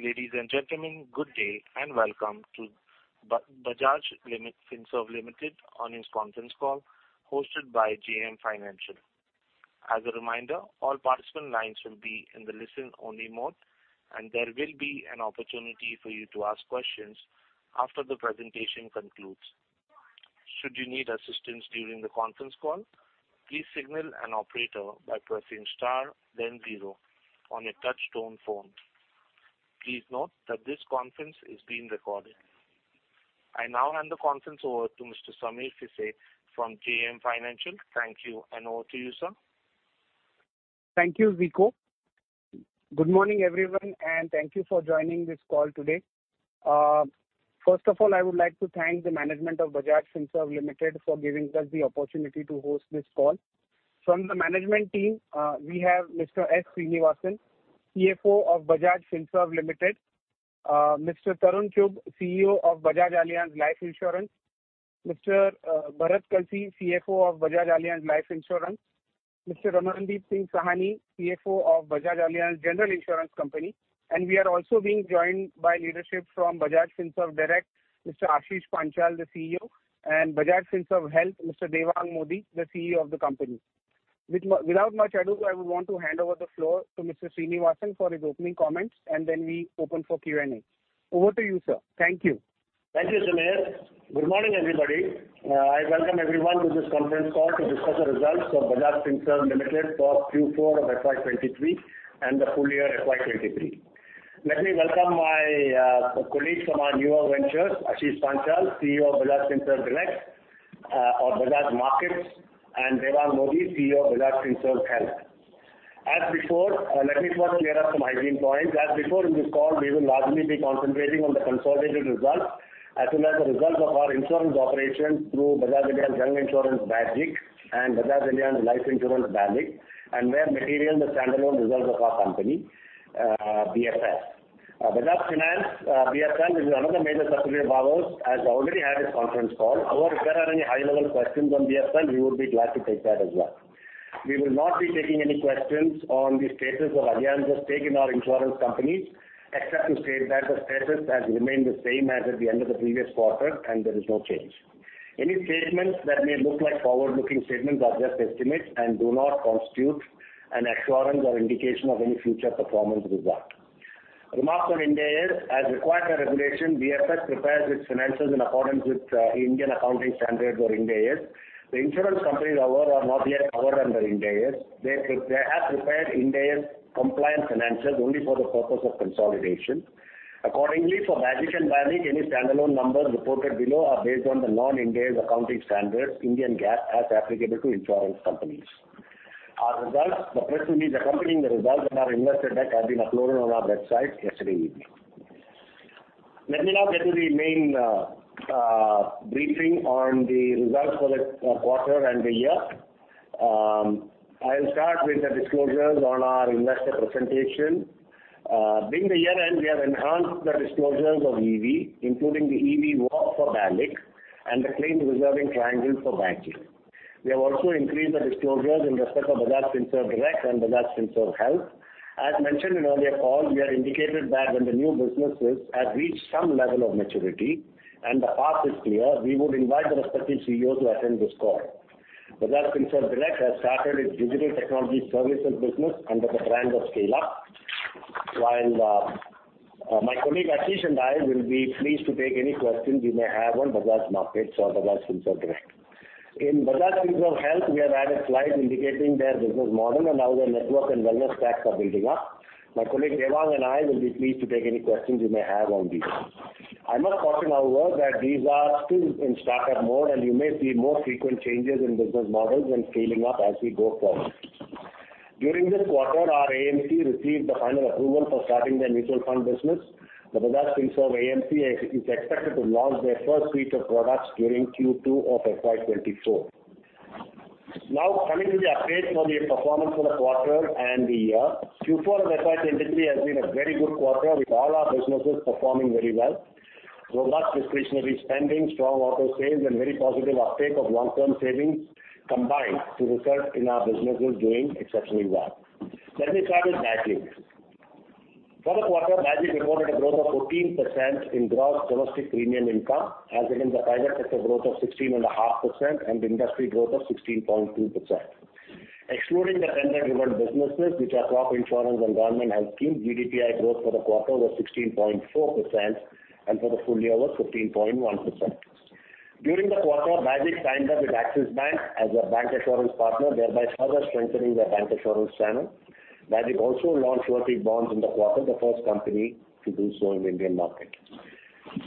Ladies and gentlemen, good day, welcome to Bajaj Finserv Limited on this conference call hosted by JM Financial. As a reminder, all participant lines will be in the listen-only mode. There will be an opportunity for you to ask questions after the presentation concludes. Should you need assistance during the conference call, please signal an operator by pressing star then zero on a touch-tone phone. Please note that this conference is being recorded. I now hand the conference over to Mr. Sameer Bhise from JM Financial. Thank you. Over to you, sir. Thank you, Viko. Good morning, everyone, and thank you for joining this call today. First of all, I would like to thank the management of Bajaj Finserv Limited for giving us the opportunity to host this call. From the management team, we have Mr. S. Sreenivasan, Chief Financial Officer of Bajaj Finserv Limited, Mr. Tarun Chugh, Chief Executive Officer of Bajaj Allianz Life Insurance, Mr. Bharat Kalsi, Chief Financial Officer of Bajaj Allianz Life Insurance, Mr. Ramandeep Singh Sahni, Chief Financial Officer of Bajaj Allianz General Insurance Company, and we are also being joined by leadership from Bajaj Finserv Direct, Mr. Ashish Panchal, the Chief Executive Officer, and Bajaj Finserv Health, Mr. Devang Mody, the Chief Executive Officer of the company. Without much ado, I would want to hand over the floor to Mr. Sreenivasan for his opening comments and then we open for Q&A. Over to you, sir. Thank you. Thank you, Sameer. Good morning, everybody. I welcome everyone to this conference call to discuss the results of Bajaj Finserv Limited for Q4 of FY 2023 and the full year FY 2023. Let me welcome my colleagues from our newer ventures, Ashish Panchal, Chief Executive Officer of Bajaj Finserv Direct, or Bajaj Markets, and Devang Mody, Chief Executive Officer of Bajaj Finserv Health. As before, let me first clear up some hygiene points. As before in this call, we will largely be concentrating on the consolidated results as well as the results of our insurance operations through Bajaj Allianz General Insurance, BAGIC, and Bajaj Allianz Life Insurance, BALIC, and where material, the standalone results of our company, BFL. Bajaj Finance, BFL, is another major subsidiary of ours, has already had its conference call. However, if there are any high-level questions on BFL, we would be glad to take that as well. We will not be taking any questions on the status of Allianz's stake in our insurance companies, except to state that the status has remained the same as at the end of the previous quarter, and there is no change. Any statements that may look like forward-looking statements are just estimates and do not constitute an assurance or indication of any future performance result. Remarks on Ind AS, as required by regulation, BFL prepares its financials in accordance with Indian accounting standard or Ind AS. The insurance companies, however, are not yet covered under Ind AS. They have prepared Ind AS compliance financials only for the purpose of consolidation. Accordingly, for BAGIC and BALIC, any standalone numbers reported below are based on the non-Ind AS accounting standards, Indian GAAP, as applicable to insurance companies. Our results, the press release accompanying the results and our investor deck have been uploaded on our website yesterday evening. Let me now get to the main briefing on the results for the quarter and the year. I'll start with the disclosures on our investor presentation. During the year-end, we have enhanced the disclosures of EV, including the EV WaR for BALIC and the claims reserving triangle for BAGIC. We have also increased the disclosures in respect of Bajaj Finserv Direct and Bajaj Finserv Health. As mentioned in earlier call, we have indicated that when the new businesses have reached some level of maturity and the path is clear, we would invite the respective Chief Executive Officer to attend this call. Bajaj Finserv Direct has started its digital technology services business under the brand of SKALEUP, while, my colleague Ashish and I will be pleased to take any questions you may have on Bajaj Markets or Bajaj Finserv Direct. In Bajaj Finserv Health, we have added slides indicating their business model and how their network and wellness stacks are building up. My colleague Devang and I will be pleased to take any questions you may have on these. I must caution, however, that these are still in startup mode, and you may see more frequent changes in business models when scaling up as we go forward. During this quarter, our AMC received the final approval for starting their mutual fund business. The Bajaj Finserv AMC is expected to launch their first suite of products during Q2 of FY 2024. Coming to the update on the performance for the quarter and the year. Q4 of FY 2023 has been a very good quarter, with all our businesses performing very well. Robust discretionary spending, strong auto sales, and very positive uptake of long-term savings combined to result in our businesses doing exceptionally well. Let me start with BAGIC. For the quarter, BAGIC reported a growth of 14% in gross domestic premium income, as against the private sector growth of 16.5% and industry growth of 16.2%. Excluding the tender-driven businesses, which are crop insurance and government health scheme, GDPI growth for the quarter was 16.4% and for the full year was 15.1%. During the quarter, BAGIC signed up with Axis Bank as their bancassurance partner, thereby further strengthening their bancassurance channel. BAGIC also launched floating bonds in the quarter, the first company to do so in the Indian market.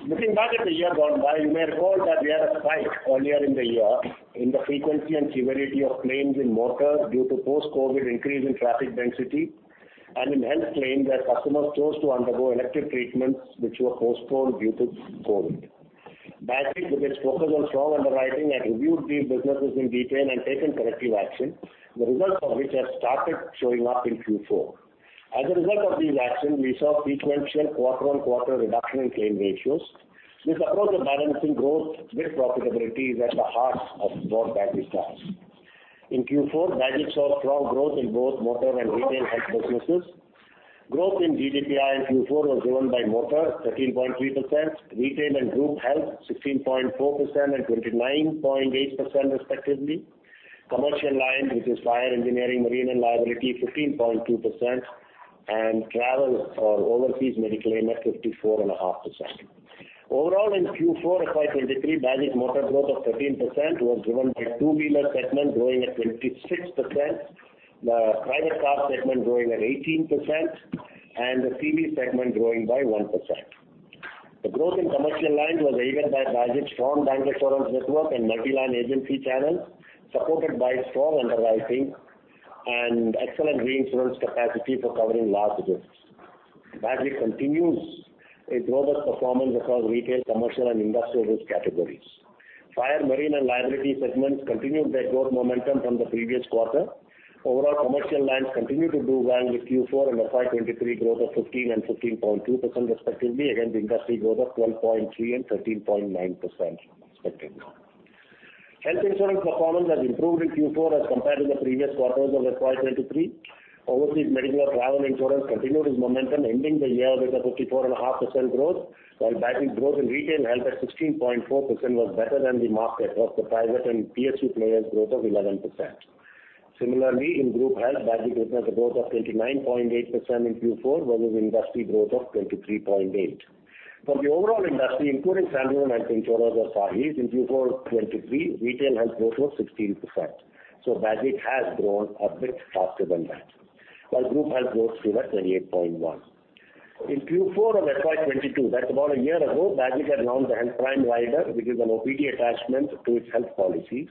Looking back at the year gone by, you may recall that we had a spike earlier in the year in the frequency and severity of claims in motor due to post-COVID increase in traffic density and in health claims where customers chose to undergo elective treatments which were postponed due to COVID. BAGIC, with its focus on strong underwriting, has reviewed these businesses in detail and taken corrective action, the results of which have started showing up in Q4. As a result of these actions, we saw sequential quarter-on-quarter reduction in claim ratios. This approach of balancing growth with profitability is at the heart of BAGIC designs. In Q4, Bajaj saw strong growth in both motor and retail health businesses. Growth in GDPI in Q4 was driven by motor 13.3%, retail and group health 16.4% and 29.8% respectively. Commercial line, which is fire engineering, marine and liability, 15.2%, and travel or overseas medical claim at 54.5%. Overall, in Q4 of FY 2023, Bajaj Motor growth of 13% was driven by two-wheeler segment growing at 26%, the private car segment growing at 18%, and the CV segment growing by 1%. The growth in commercial lines was aided by Bajaj's strong bank insurance network and multi-line agency channels, supported by strong underwriting and excellent reinsurance capacity for covering large risks. Bajaj continues its robust performance across retail, commercial, and industrial risk categories. Fire, marine and liability segments continued their growth momentum from the previous quarter. Overall, commercial lines continue to do well with Q4 and FY 2023 growth of 15% and 15.2% respectively, against industry growth of 12.3% and 13.9% respectively. Health insurance performance has improved in Q4 as compared to the previous quarters of FY 2023. Overseas medical or travel insurance continued its momentum, ending the year with a 54.5% growth, while Bajaj growth in retail health at 16.4% was better than the market of the private and PSU players growth of 11%. Similarly, in group health, Bajaj witnessed a growth of 29.8% in Q4, versus industry growth of 23.8%. For the overall industry, including standalone health insurers or SAHI, in Q4 2023, retail health growth was 16%, so Bajaj has grown a bit faster than that. While group health growth stood at 28.1%. In Q4 of FY 2022, that's about a year ago, Bajaj had launched the Health Prime rider, which is an OPD attachment to its health policies.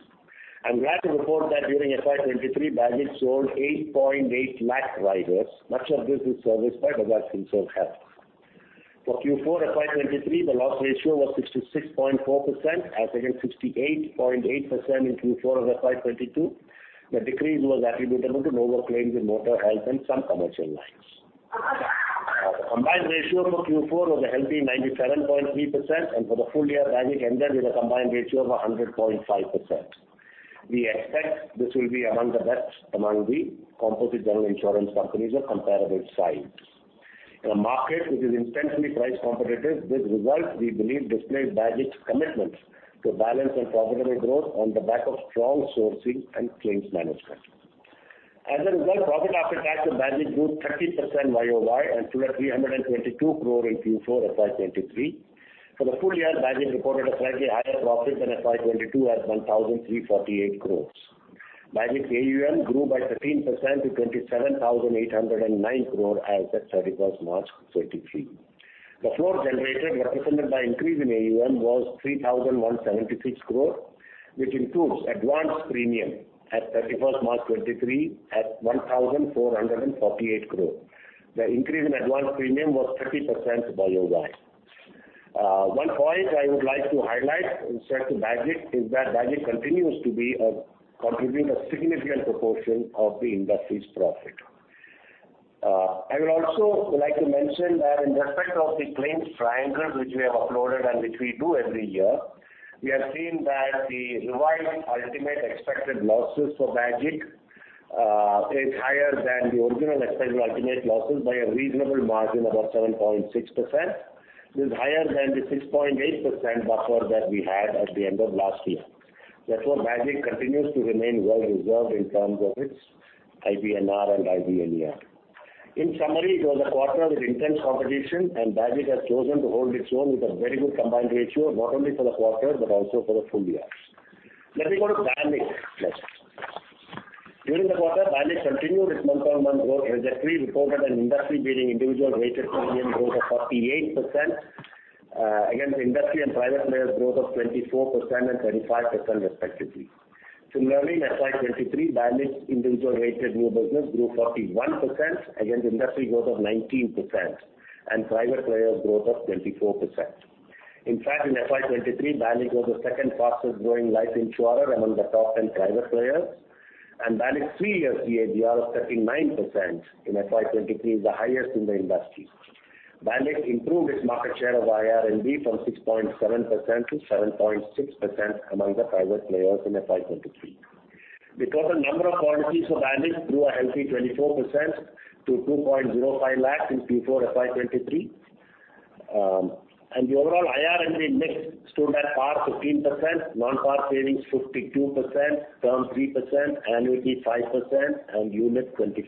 I'm glad to report that during FY 2023, Bajaj sold 8.8 lakh riders, much of this is serviced by Bajaj Finserv Health. For Q4 FY 2023, the loss ratio was 66.4% as against 68.8% in Q4 of FY 2022. The decrease was attributable to lower claims in motor health and some commercial lines. The combined ratio for Q4 was a healthy 97.3%, and for the full year, Bajaj ended with a combined ratio of 100.5%. We expect this will be among the best among the composite general insurance companies of comparable size. In a market which is intensely price competitive, this result, we believe, displays Bajaj's commitment to balanced and profitable growth on the back of strong sourcing and claims management. As a result, profit after tax at Bajaj grew 30% YOY and stood at 322 crore in Q4 FY 2023. For the full year, Bajaj reported a slightly higher profit than FY 2022 at 1,348 crore. Bajaj AUM grew by 13% to 27,809 crore as at March 31, 2023. The flow generated represented by increase in AUM was 3,176 crore, which includes advance premium at March 31, 2023 at 1,448 crore. The increase in advance premium was 30% YOY. One point I would like to highlight with respect to Bajaj is that Bajaj continues to be contributing a significant proportion of the industry's profit. I would also like to mention that in respect of the claims triangle which we have uploaded and which we do every year, we have seen that the revised ultimate expected losses for Bajaj is higher than the original expected ultimate losses by a reasonable margin, about 7.6%, which is higher than the 6.8% buffer that we had at the end of last year. Bajaj continues to remain well reserved in terms of its IBNR and IBNER. In summary, it was a quarter with intense competition, and Bajaj has chosen to hold its own with a very good combined ratio, not only for the quarter but also for the full year. Let me go to BALIC next. During the quarter, BALIC continued its month-on-month growth trajectory, reported an industry-leading individual weighted premium growth of 48% against the industry and private players growth of 24% and 35% respectively. Similarly, in FY 2023, BALIC's individual weighted new business grew 41% against industry growth of 19% and private players growth of 24%. In fact, in FY 2023, BALIC was the second fastest growing life insurer among the top 10 private players. BALIC's 3-year CAGR of 39% in FY 2023 is the highest in the industry. BALIC improved its market share of IRNB from 6.7% to 7.6% among the private players in FY 2023. The total number of policies for BALIC grew a healthy 24% to 2.05 lakh in Q4 FY 2023. The overall IRNB mix stood at PAR 15%, non-PAR savings 52%, term 3%, annuity 5%, and unit 25%.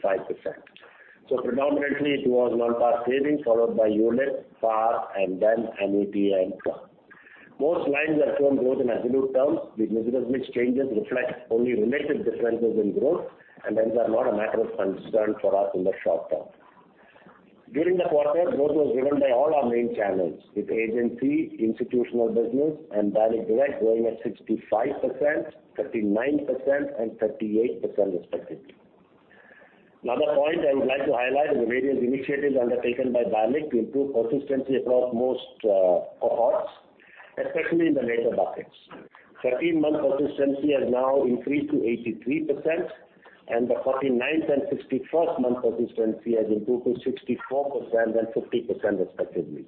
Predominantly it was non-PAR savings, followed by unit, PAR, and then annuity and term. Most lines have shown growth in absolute terms. The business mix changes reflect only relative differences in growth, and hence are not a matter of concern for us in the short term. During the quarter, growth was driven by all our main channels, with agency, institutional business, and Bajaj Finserv Direct growing at 65%, 39%, and 38% respectively. Another point I would like to highlight is the various initiatives undertaken by Bajaj Finserv Direct to improve persistency across most cohorts. Especially in the later buckets. 13-month persistency has now increased to 83% and the 49th and 61st month persistency has improved to 64% and 50% respectively.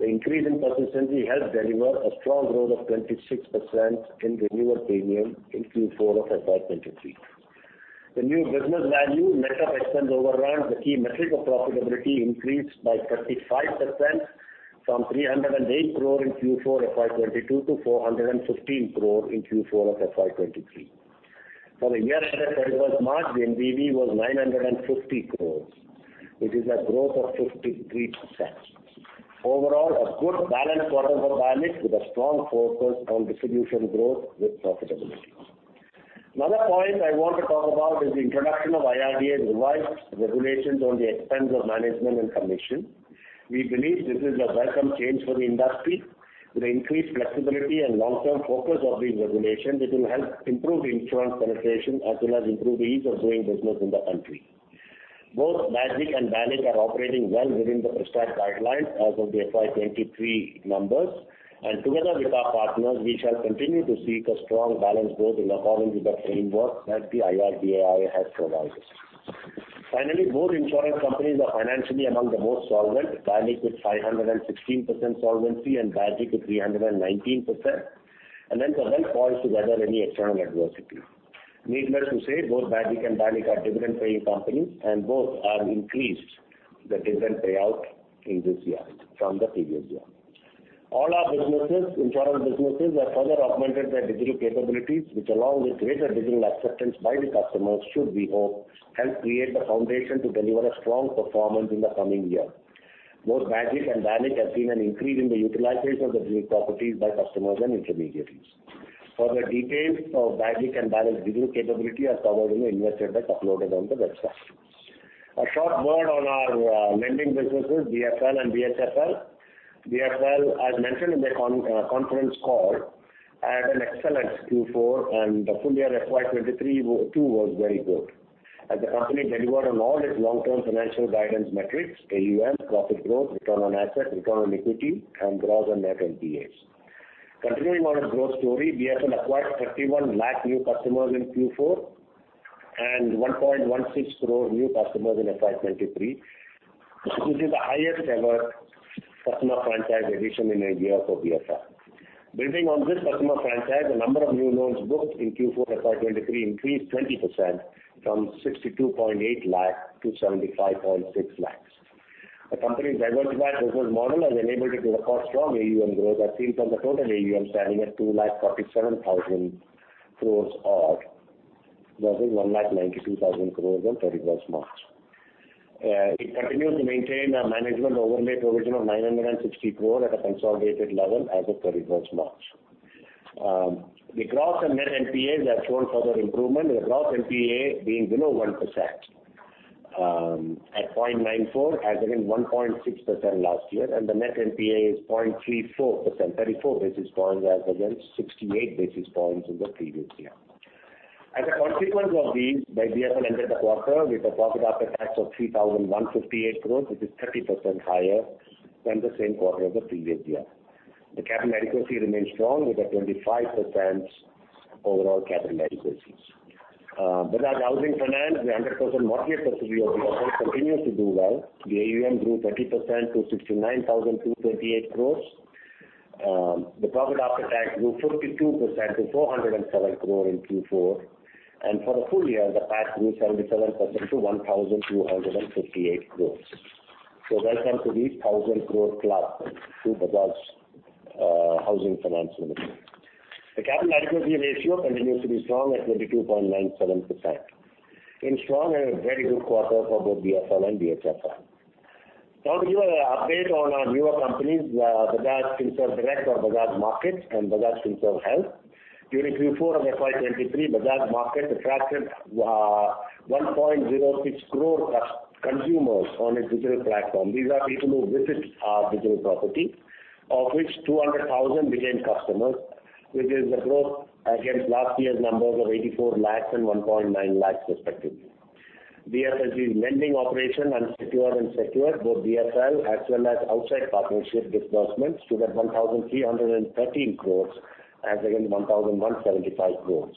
The increase in persistency helped deliver a strong growth of 26% in renewal premium in Q4 of FY 2023. The New Business Value net of expense overrun, the key metric of profitability increased by 35% from 308 crore in Q4 of FY 2022 to 415 crore in Q4 of FY 2023. For the year ended 31st March, the NBV was 950 crore, which is a growth of 53%. Overall, a good balanced quarter for BALIC with a strong focus on distribution growth with profitability. Another point I want to talk about is the introduction of IRDAI revised regulations on the Expenses of Management and commission. We believe this is a welcome change for the industry. With increased flexibility and long-term focus of the regulation, it will help improve insurance penetration as well as improve the ease of doing business in the country. Both BAGIC and BALIC are operating well within the prescribed guidelines as of the FY 2023 numbers, and together with our partners, we shall continue to seek a strong balance growth in accordance with the framework that the IRDAI has provided. Finally, both insurance companies are financially among the most solvent, BALIC with 516% solvency and BAGIC with 319%, and then to help foil together any external adversity. Needless to say, both BAGIC and BALIC are dividend-paying companies, and both have increased the dividend payout in this year from the previous year. All our businesses, insurance businesses are further augmented by digital capabilities, which along with greater digital acceptance by the customers should we hope, help create the foundation to deliver a strong performance in the coming year. Both BAGIC and BALIC have seen an increase in the utilization of the digital properties by customers and intermediaries. Further details of BAGIC and BALIC's digital capability are covered in the investor deck uploaded on the website. A short word on our lending businesses, BFL and BHFL. BFL, as mentioned in the conference call, had an excellent Q4 and the full year FY 2023 too was very good, as the company delivered on all its long-term financial guidance metrics, AUM, profit growth, return on assets, return on equity and gross and net NPAs. Continuing on a growth story, BFL acquired 31 lakh new customers in Q4 and 1.16 crore new customers in FY 2023, which is the highest ever customer franchise addition in a year for BFL. Building on this customer franchise, the number of new loans booked in Q4 FY 2023 increased 20% from 62.8 lakh to 75.6 lakh. The company's diversified business model has enabled it to record strong AUM growth as seen from the total AUM standing at 247,000 crore odd versus 192,000 crore on March 31. It continues to maintain a management overlay provision of 960 crore at a consolidated level as of March 31. The gross and net NPAs have shown further improvement, the gross NPA being below 1%, at 0.94% as against 1.6% last year. The net NPA is 0.34%, 34 basis points as against 68 basis points in the previous year. As a consequence of these, BFL ended the quarter with a profit after tax of 3,158 crore, which is 30% higher than the same quarter of the previous year. The capital adequacy remains strong with a 25% overall capital adequacy. Bajaj Housing Finance, the 100% mortgage subsidiary of the group continues to do well. The AUM grew 30% to 69,228 crore. The profit after tax grew 52% to 407 crore in Q4. For the full year, the PAT grew 77% to 1,258 crore. Welcome to the 1,000 crore club to Bajaj Housing Finance Limited. The capital adequacy ratio continues to be strong at 22.97%. In strong and a very good quarter for both BFL and BHFL. To give a update on our newer companies, Bajaj Finserv Direct or Bajaj Markets and Bajaj Finserv Health. During Q4 of FY 2023, Bajaj Markets attracted 1.06 crore consumers on its digital platform. These are people who visit our digital property, of which 200,000 became customers, which is a growth against last year's numbers of 84 lakh and 1.9 lakh respectively. BFSG's lending operation unsecure and secure, both BSL as well as outside partnership disbursements stood at 1,313 crore as against 1,175 crore.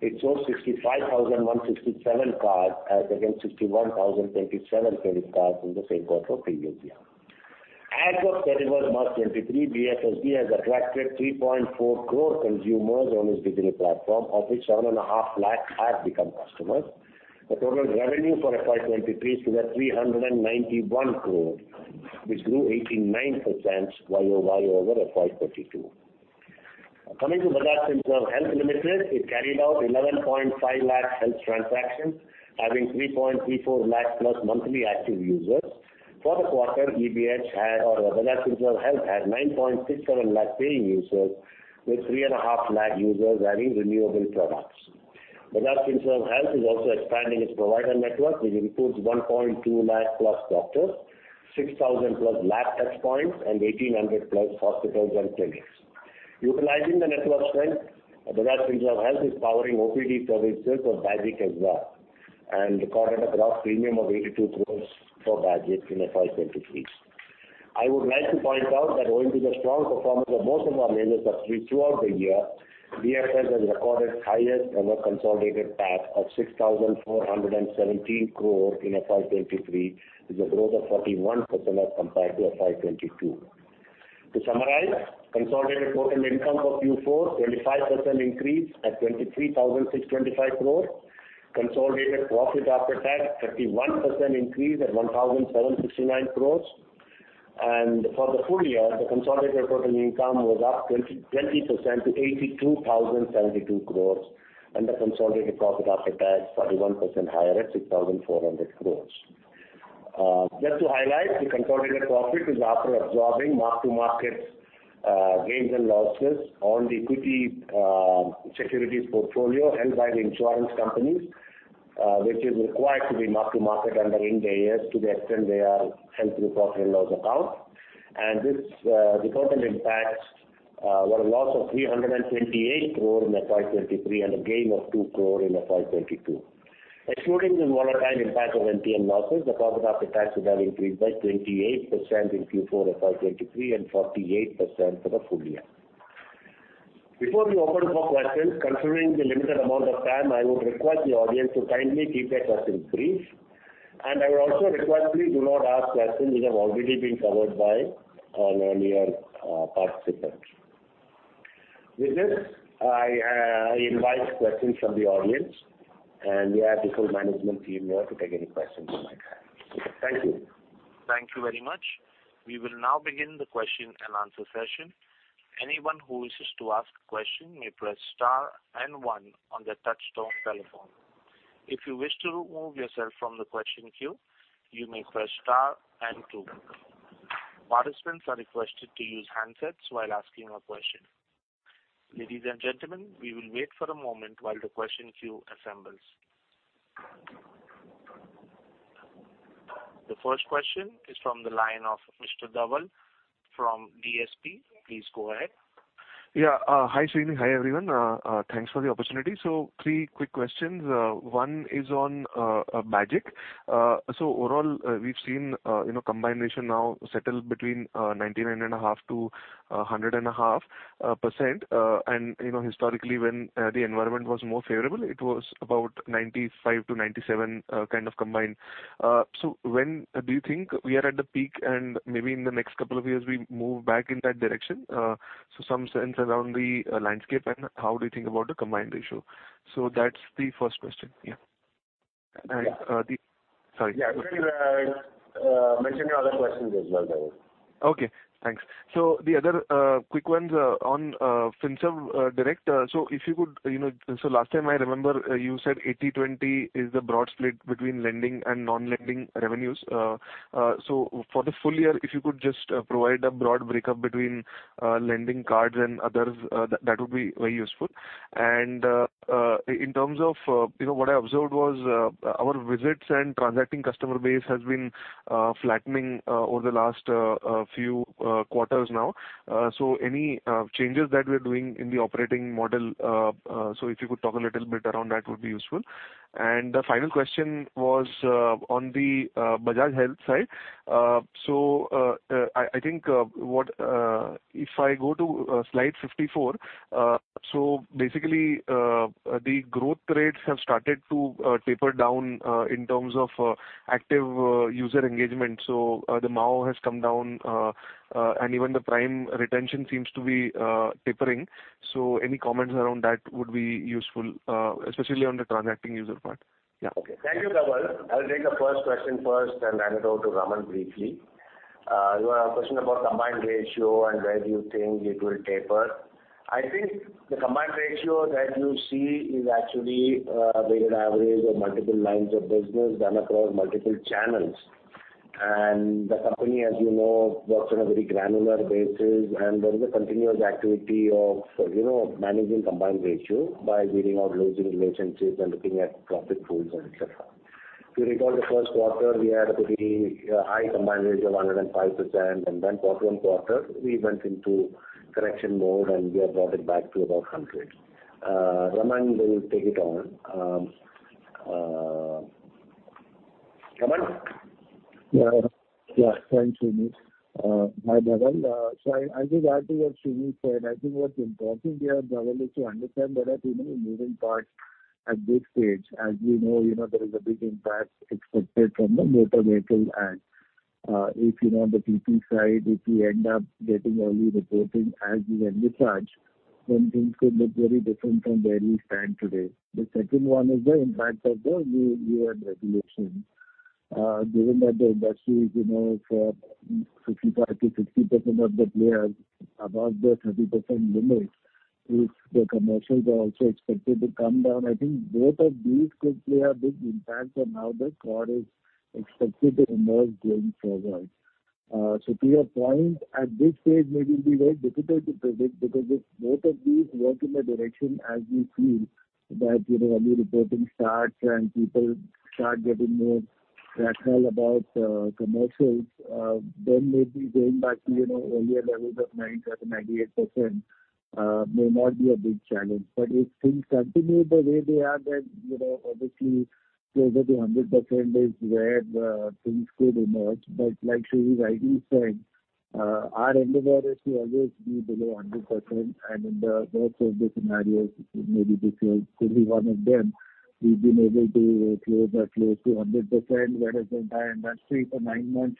It sold 65,167 cards as against 61,027 credit cards in the same quarter previous year. As of March 31, 2023, BFSG has attracted 3.4 crore consumers on its digital platform, of which 7.5 lakh have become customers. The total revenue for FY 2023 stood at 391 crore, which grew 89% YoY over FY 2022. Coming to Bajaj Finserv Health Limited, it carried out 11.5 lakh health transactions, having 3.34 lakh+ monthly active users. For the quarter, eBH had or Bajaj Finserv Health had 9.67 lakh paying users with 3.5 lakh users adding renewable products. Bajaj Finserv Health is also expanding its provider network, which includes 1.2 lakh plus doctors, 6,000 plus lab touchpoints, and 1,800 plus hospitals and clinics. Utilizing the network strength, Bajaj Finserv Health is powering OPD services for BAGIC as well. Recorded a gross premium of 82 crore for BAGIC in FY 2023. I would like to point out that owing to the strong performance of most of our measures of three throughout the year, BFS has recorded highest ever consolidated PAT of 6,417 crore in FY 2023, with a growth of 41% as compared to FY 2022. To summarize, consolidated total income for Q4, 25% increase at 23,625 crore. Consolidated profit after tax, 31% increase at 1,769 crore. For the full year, the consolidated total income was up 20% to 82,072 crore, and the consolidated profit after tax 41% higher at 6,400 crore. Just to highlight, the consolidated profit is after absorbing mark-to-market gains and losses on the equity securities portfolio held by the insurance companies, which is required to be mark-to-market under Ind AS to the extent they are held through profit and loss account. This the total impact was a loss of 328 crore in FY 2023 and a gain of 2 crore in FY 2022. Excluding the volatile impact of MTM losses, the profit after tax would have increased by 28% in Q4 FY 2023 and 48% for the full year. Before we open for questions, considering the limited amount of time, I would request the audience to kindly keep their questions brief. I would also request please do not ask questions which have already been covered by an earlier participant. With this, I invite questions from the audience, and we have the full management team here to take any questions you might have. Thank you. Thank you very much. We will now begin the question and answer session. Anyone who wishes to ask a question may press star and one on their touchtone telephone. If you wish to remove yourself from the question queue, you may press star and two. Participants are requested to use handsets while asking a question. Ladies and gentlemen, we will wait for a moment while the question queue assembles. The first question is from the line of Mr. Dhaval from DSP. Please go ahead. Yeah. Hi, Sreenivasan. Hi, everyone. Thanks for the opportunity. three quick questions. One is on BAGIC. Overall, we've seen, you know, combination now settle between 99.5%-100.5%. You know, historically when the environment was more favorable, it was about 95-97 kind of combined. When do you think we are at the peak and maybe in the next two-years we move back in that direction? Some sense around the landscape and how do you think about the combined ratio? That's the 1st question. Yeah. Sorry. Yeah. Please mention your other questions as well, Dhaval. Okay, thanks. The other quick ones on Finserv Direct. If you could, you know, last time I remember, you said 80-20 is the broad split between lending and non-lending revenues. For the full year, if you could just provide a broad breakup between lending cards and others, that would be very useful. In terms of, you know, what I observed was, our visits and transacting customer base has been flattening over the last few quarters now. Any changes that we're doing in the operating model, if you could talk a little bit around that would be useful. The final question was on the Bajaj Health side. I think. If I go to slide 54, basically, the growth rates have started to taper down in terms of active user engagement. The MAU has come down, and even the prime retention seems to be tapering. Any comments around that would be useful, especially on the transacting user part. Okay. Thank you, Dhaval. I'll take the first question first, then hand it over to Raman briefly. Your question about combined ratio and where do you think it will taper? I think the combined ratio that you see is actually a weighted average of multiple lines of business done across multiple channels. The company, as you know, works on a very granular basis, and there is a continuous activity of, you know, managing combined ratio by weeding out losing relationships and looking at profit pools and etc.. If you recall the first quarter, we had a pretty high combined ratio of 105%, and then quarter-over-quarter we went into correction mode and we have brought it back to about 100%. Raman will take it on. Raman? Yeah. Yeah. Thanks, Sreenivasan. Hi, Dhaval. I think adding on to what Sreeni said, I think what's important here, Dhaval, is to understand there are too many moving parts at this stage. As we know, you know, there is a big impact expected from the Motor Vehicles Act. If you know, on the PP side, if we end up getting early reporting as we envisage, then things could look very different from where we stand today. The second one is the impact of the new year regulations. Given that the industry is, you know, 55%-60% of the players above the 30% limit, if the commercials are also expected to come down, I think both of these could play a big impact on how the card is expected to emerge going forward. To your point, at this stage, maybe it'll be very difficult to predict because if both of these work in the direction as we feel that, you know, early reporting starts and people start getting more rational about commercials, then maybe going back to, you know, earlier levels of 90% or 98% may not be a big challenge. If things continue the way they are, then, you know, obviously closer to 100% is where the things could emerge. Like Sreeni rightly said, our endeavor is to always be below 100%. In the worst of the scenarios, maybe this year could be one of them, we've been able to close that close to 100%, whereas in the industry for nine-months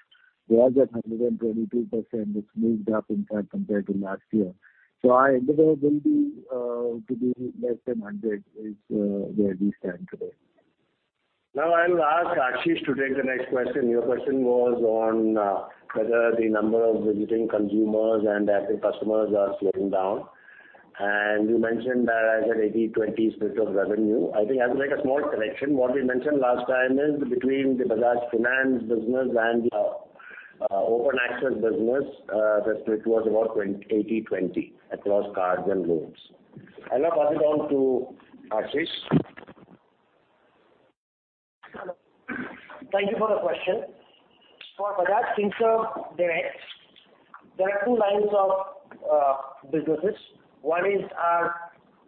they are just 122%. It's moved up in fact compared to last year. Our endeavor will be to be less than 100 is where we stand today. Now I'll ask Ashish to take the next question. Your question was on whether the number of visiting consumers and active customers are slowing down. You mentioned that as an 80-20 split of revenue. I think I'll make a small correction. What we mentioned last time is between the Bajaj Finance business and the open access business, the split was about 80-20 across cards and loans. I'll now pass it on to Ashish. Thank you for the question. For Bajaj Finserv, there are two lines of businesses. One is our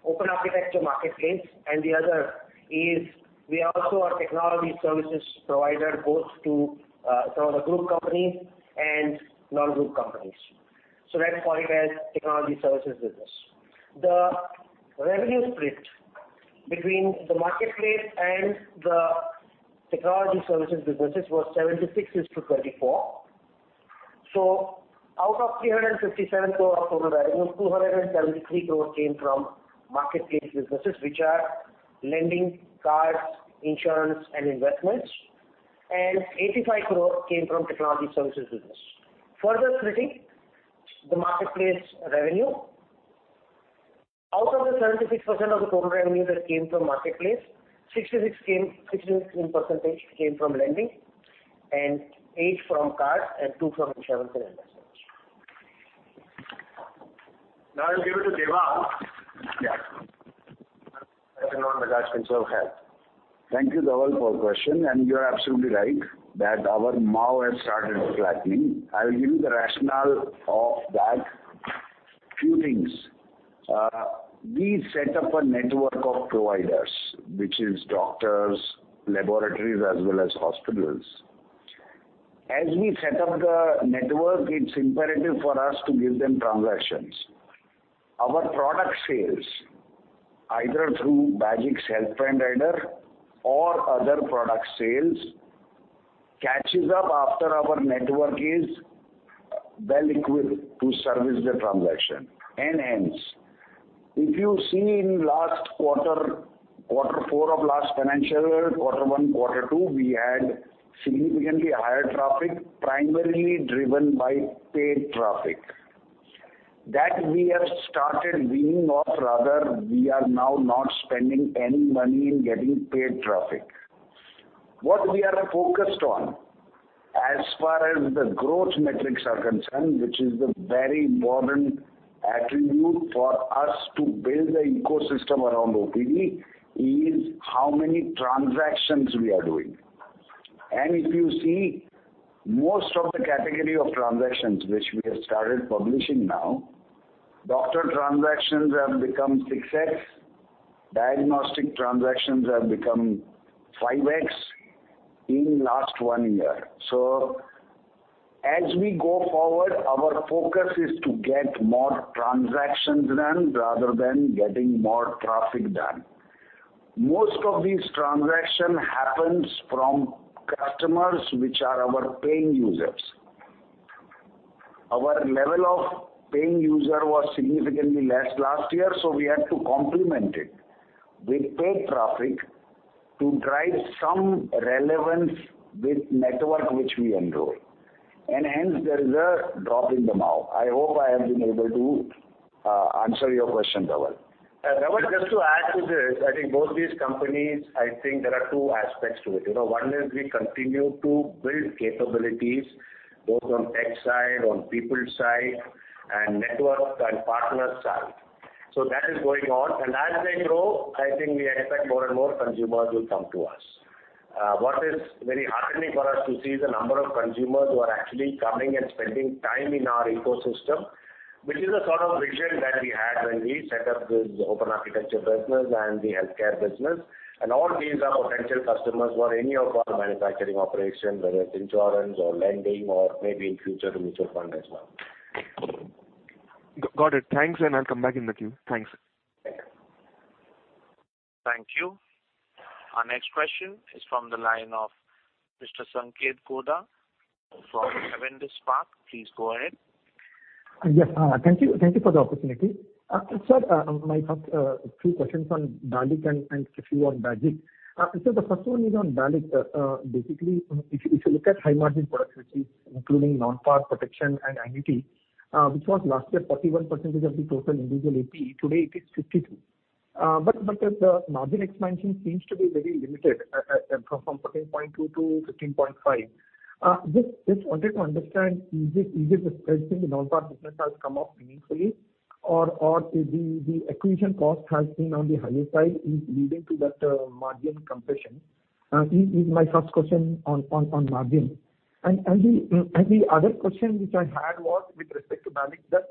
open architecture marketplace, and the other is we also are technology services provider both to some of the group companies and non-group companies. Let's call it as technology services business. The revenue split between the marketplace and the technology services businesses was 76 is to 34. Out of 357 crore of total revenue, 273 crore came from marketplace businesses, which are lending, cards, insurance, and investments. 85 crore came from technology services business. Further splitting the marketplace revenue, out of the 76% of the total revenue that came from marketplace, 66% came from lending and eight from cards and two from insurance and investments. Now I'll give it to Devang. Yeah. Question on Bajaj Finserv Health. Thank you, Dhaval, for the question. You're absolutely right that our MAU has started flattening. I will give you the rationale of that. Few things. We set up a network of providers, which is doctors, laboratories, as well as hospitals. As we set up the network, it's imperative for us to give them transactions. Our product sales, either through Bajaj Health plan rider or other product sales, catches up after our network is well-equipped to service the transaction. Hence. If you see in last quarter four of last financial year, quarter one, quarter two, we had significantly higher traffic, primarily driven by paid traffic. That we have started weaning off, rather we are now not spending any money in getting paid traffic. What we are focused on as far as the growth metrics are concerned, which is the very important attribute for us to build the ecosystem around OPD, is how many transactions we are doing. If you see most of the category of transactions which we have started publishing now, doctor transactions have become 6x, diagnostic transactions have become 5x in last one-year. As we go forward, our focus is to get more transactions done rather than getting more traffic done. Most of these transaction happens from customers which are our paying users. Our level of paying user was significantly less last year, so we had to complement it with paid traffic to drive some relevance with network which we enroll. Hence there is a drop in the MAU. I hope I have been able to answer your question, Dhaval. Dhaval, just to add to this, I think both these companies, I think there are two aspects to it. You know, one is we continue to build capabilities both on tech side, on people side, and network and partners side. That is going on. As they grow, I think we expect more and more consumers will come to us. What is very heartening for us to see is the number of consumers who are actually coming and spending time in our ecosystem, which is a sort of vision that we had when we set up this open architecture business and the healthcare business. All these are potential customers for any of our manufacturing operation, whether it's insurance or lending or maybe in future the mutual fund as well. Got it. Thanks, and I'll come back in the queue. Thanks. Thank you. Our next question is from the line of Mr. Sanketh Godha from Avendus Spark. Please go ahead. Yes. Thank you. Thank you for the opportunity. Sir, my first few questions on Bajaj and a few on BALIC. The first one is on Bajaj. Basically, if you look at high margin products, which is including non-PAR protection and annuity, which was last year 41% of the total individual APE, today it is 52%. The margin expansion seems to be very limited, from 14.2 to 15.5. Just wanted to understand, is it the spread in the non-PAR business has come up meaningfully? Or the acquisition cost has been on the higher side is leading to that margin compression. Is my first question on margin. The other question which I had was with respect to BALIC that,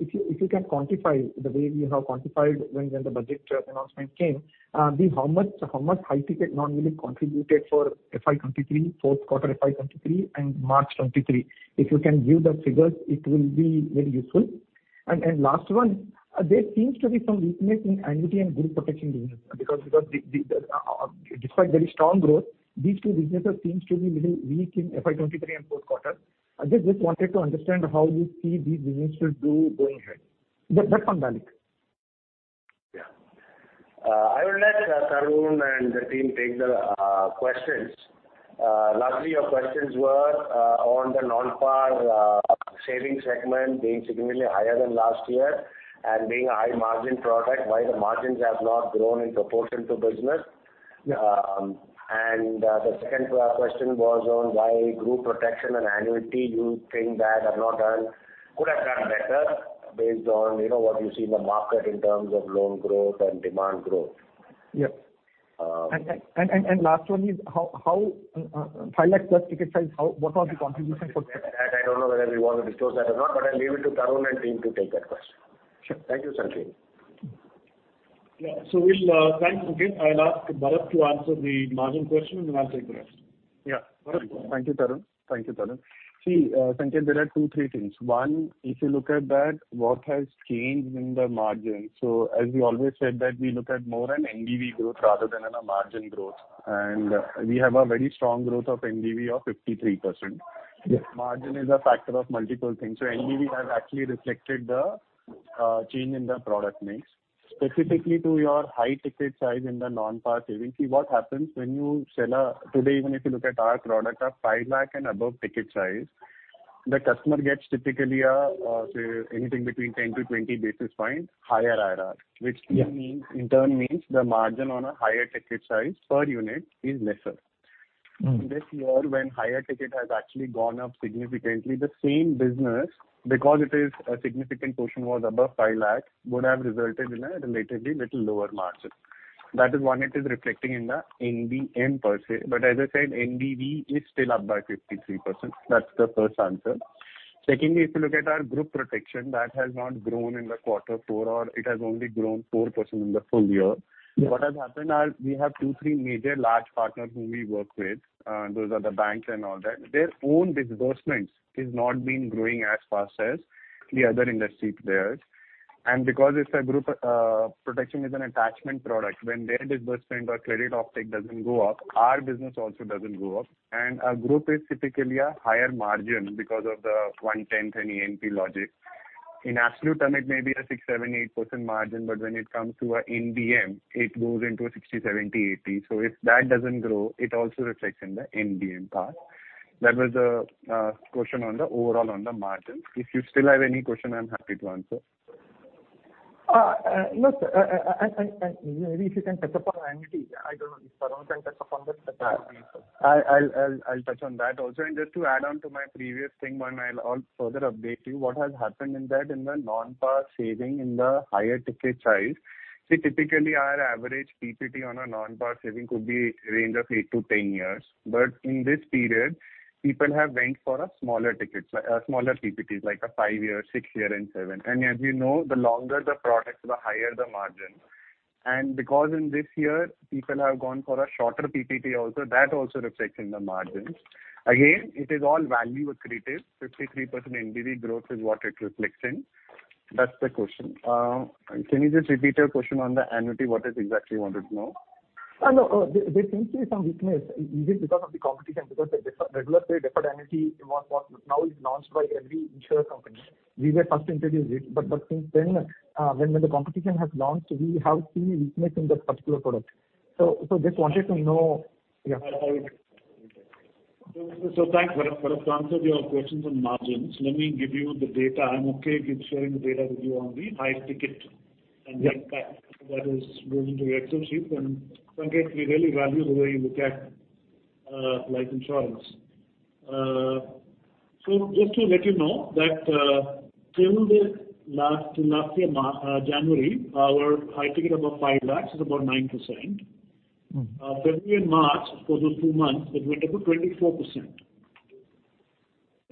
if you can quantify the way you have quantified when the budget announcement came, how much high ticket non-renew contributed for FY 2023, Q4 FY 2023 and March 23. If you can give the figures, it will be very useful. Last one, there seems to be some weakness in annuity and group protection business because the, despite very strong growth, these two businesses seems to be little weak in FY 2023 and Q4. I just wanted to understand how you see these businesses do going ahead? That's on BALIC. Yeah. I would let Tarun and the team take the questions. Largely your questions were on the non-PAR savings segment being significantly higher than last year and being a high margin product, why the margins have not grown in proportion to business. The second question was on why group protection and annuity you think that have not done could have done better based on, you know, what you see in the market in terms of loan growth and demand growth. Yes. Um- Last one is how 5 lakh plus ticket size, what was the contribution for? That I don't know whether we want to disclose that or not, but I'll leave it to Tarun and team to take that question. Sure. Thank you, Sanket. Yeah. We'll, thanks, Sanket. I'll ask Bharat to answer the margin question and I'll take the rest. Yeah. Thank you, Tarun. Thank you, Tarun. See, Sanketh, there are two, three things. One, if you look at that, what has changed in the margin. As we always said that we look at more an NBV growth rather than a margin growth. We have a very strong growth of NBV of 53%. Yes. Margin is a factor of multiple things. NBV has actually reflected the change in the product mix. Specifically to your high ticket size in the non-PAR saving. What happens when you sell today, even if you look at our product of 5 lakh and above ticket size, the customer gets typically a say anything between 10-20 basis points higher IRR, which means. Yeah. In turn means the margin on a higher ticket size per unit is lesser. This year when higher ticket has actually gone up significantly, the same business because it is a significant portion was above 5 lakh would have resulted in a relatively little lower margin. That is one, it is reflecting in the NBM per se. As I said, NBV is still up by 53%. That's the first answer. Secondly, if you look at our group protection, that has not grown in the quarter four or it has only grown 4% in the full year. What has happened are we have two, three major large partners whom we work with, those are the banks and all that. Their own disbursements has not been growing as fast as the other industry players. Because it's a group, protection is an attachment product. When their disbursement or credit offtake doesn't go up, our business also doesn't go up. Our group is typically a higher margin because of the one tenth and ENP logic. In absolute term, it may be a 6%, 7%, 8% margin, but when it comes to our NBM, it goes into 60%, 70%, 80%. If that doesn't grow, it also reflects in the NBM part. That was the question on the overall on the margin. If you still have any question, I'm happy to answer. No, sir. I maybe if you can touch upon annuity. I don't know if Tarun can touch upon this, that will be helpful. I'll touch on that. Also just to add on to my previous thing, one, I'll further update you what has happened in that in the non-PAR saving in the higher ticket size. See, typically our average PPT on a non-PAR saving could be range of eight-10 years. In this period, people have went for a smaller tickets, smaller PPTs like a five-year, six-year, and seven. As you know, the longer the products, the higher the margin. Because in this year people have gone for a shorter PPT also, that also reflects in the margins. Again, it is all value accretive. 53% NBV growth is what it reflects in. That's the question. Can you just repeat your question on the annuity? What is exactly you wanted to know? No. There seems to be some weakness. Is it because of the competition, because the different, regular pay deferred annuity was now is launched by every insurance company? We were first to introduce it. Since then, when the competition has launched, we have seen a weakness in that particular product. Just wanted to know. Thanks, Bharat. Bharat's answered your questions on margins. Let me give you the data. I am okay with sharing the data with you on the high ticket and the impact that has gone into your Excel sheet. Sanket, we really value the way you look at life insurance. Just to let you know that, till the last year, January, our high ticket above 5 lakh is about 9%. February and March for those two months it went up to 24%.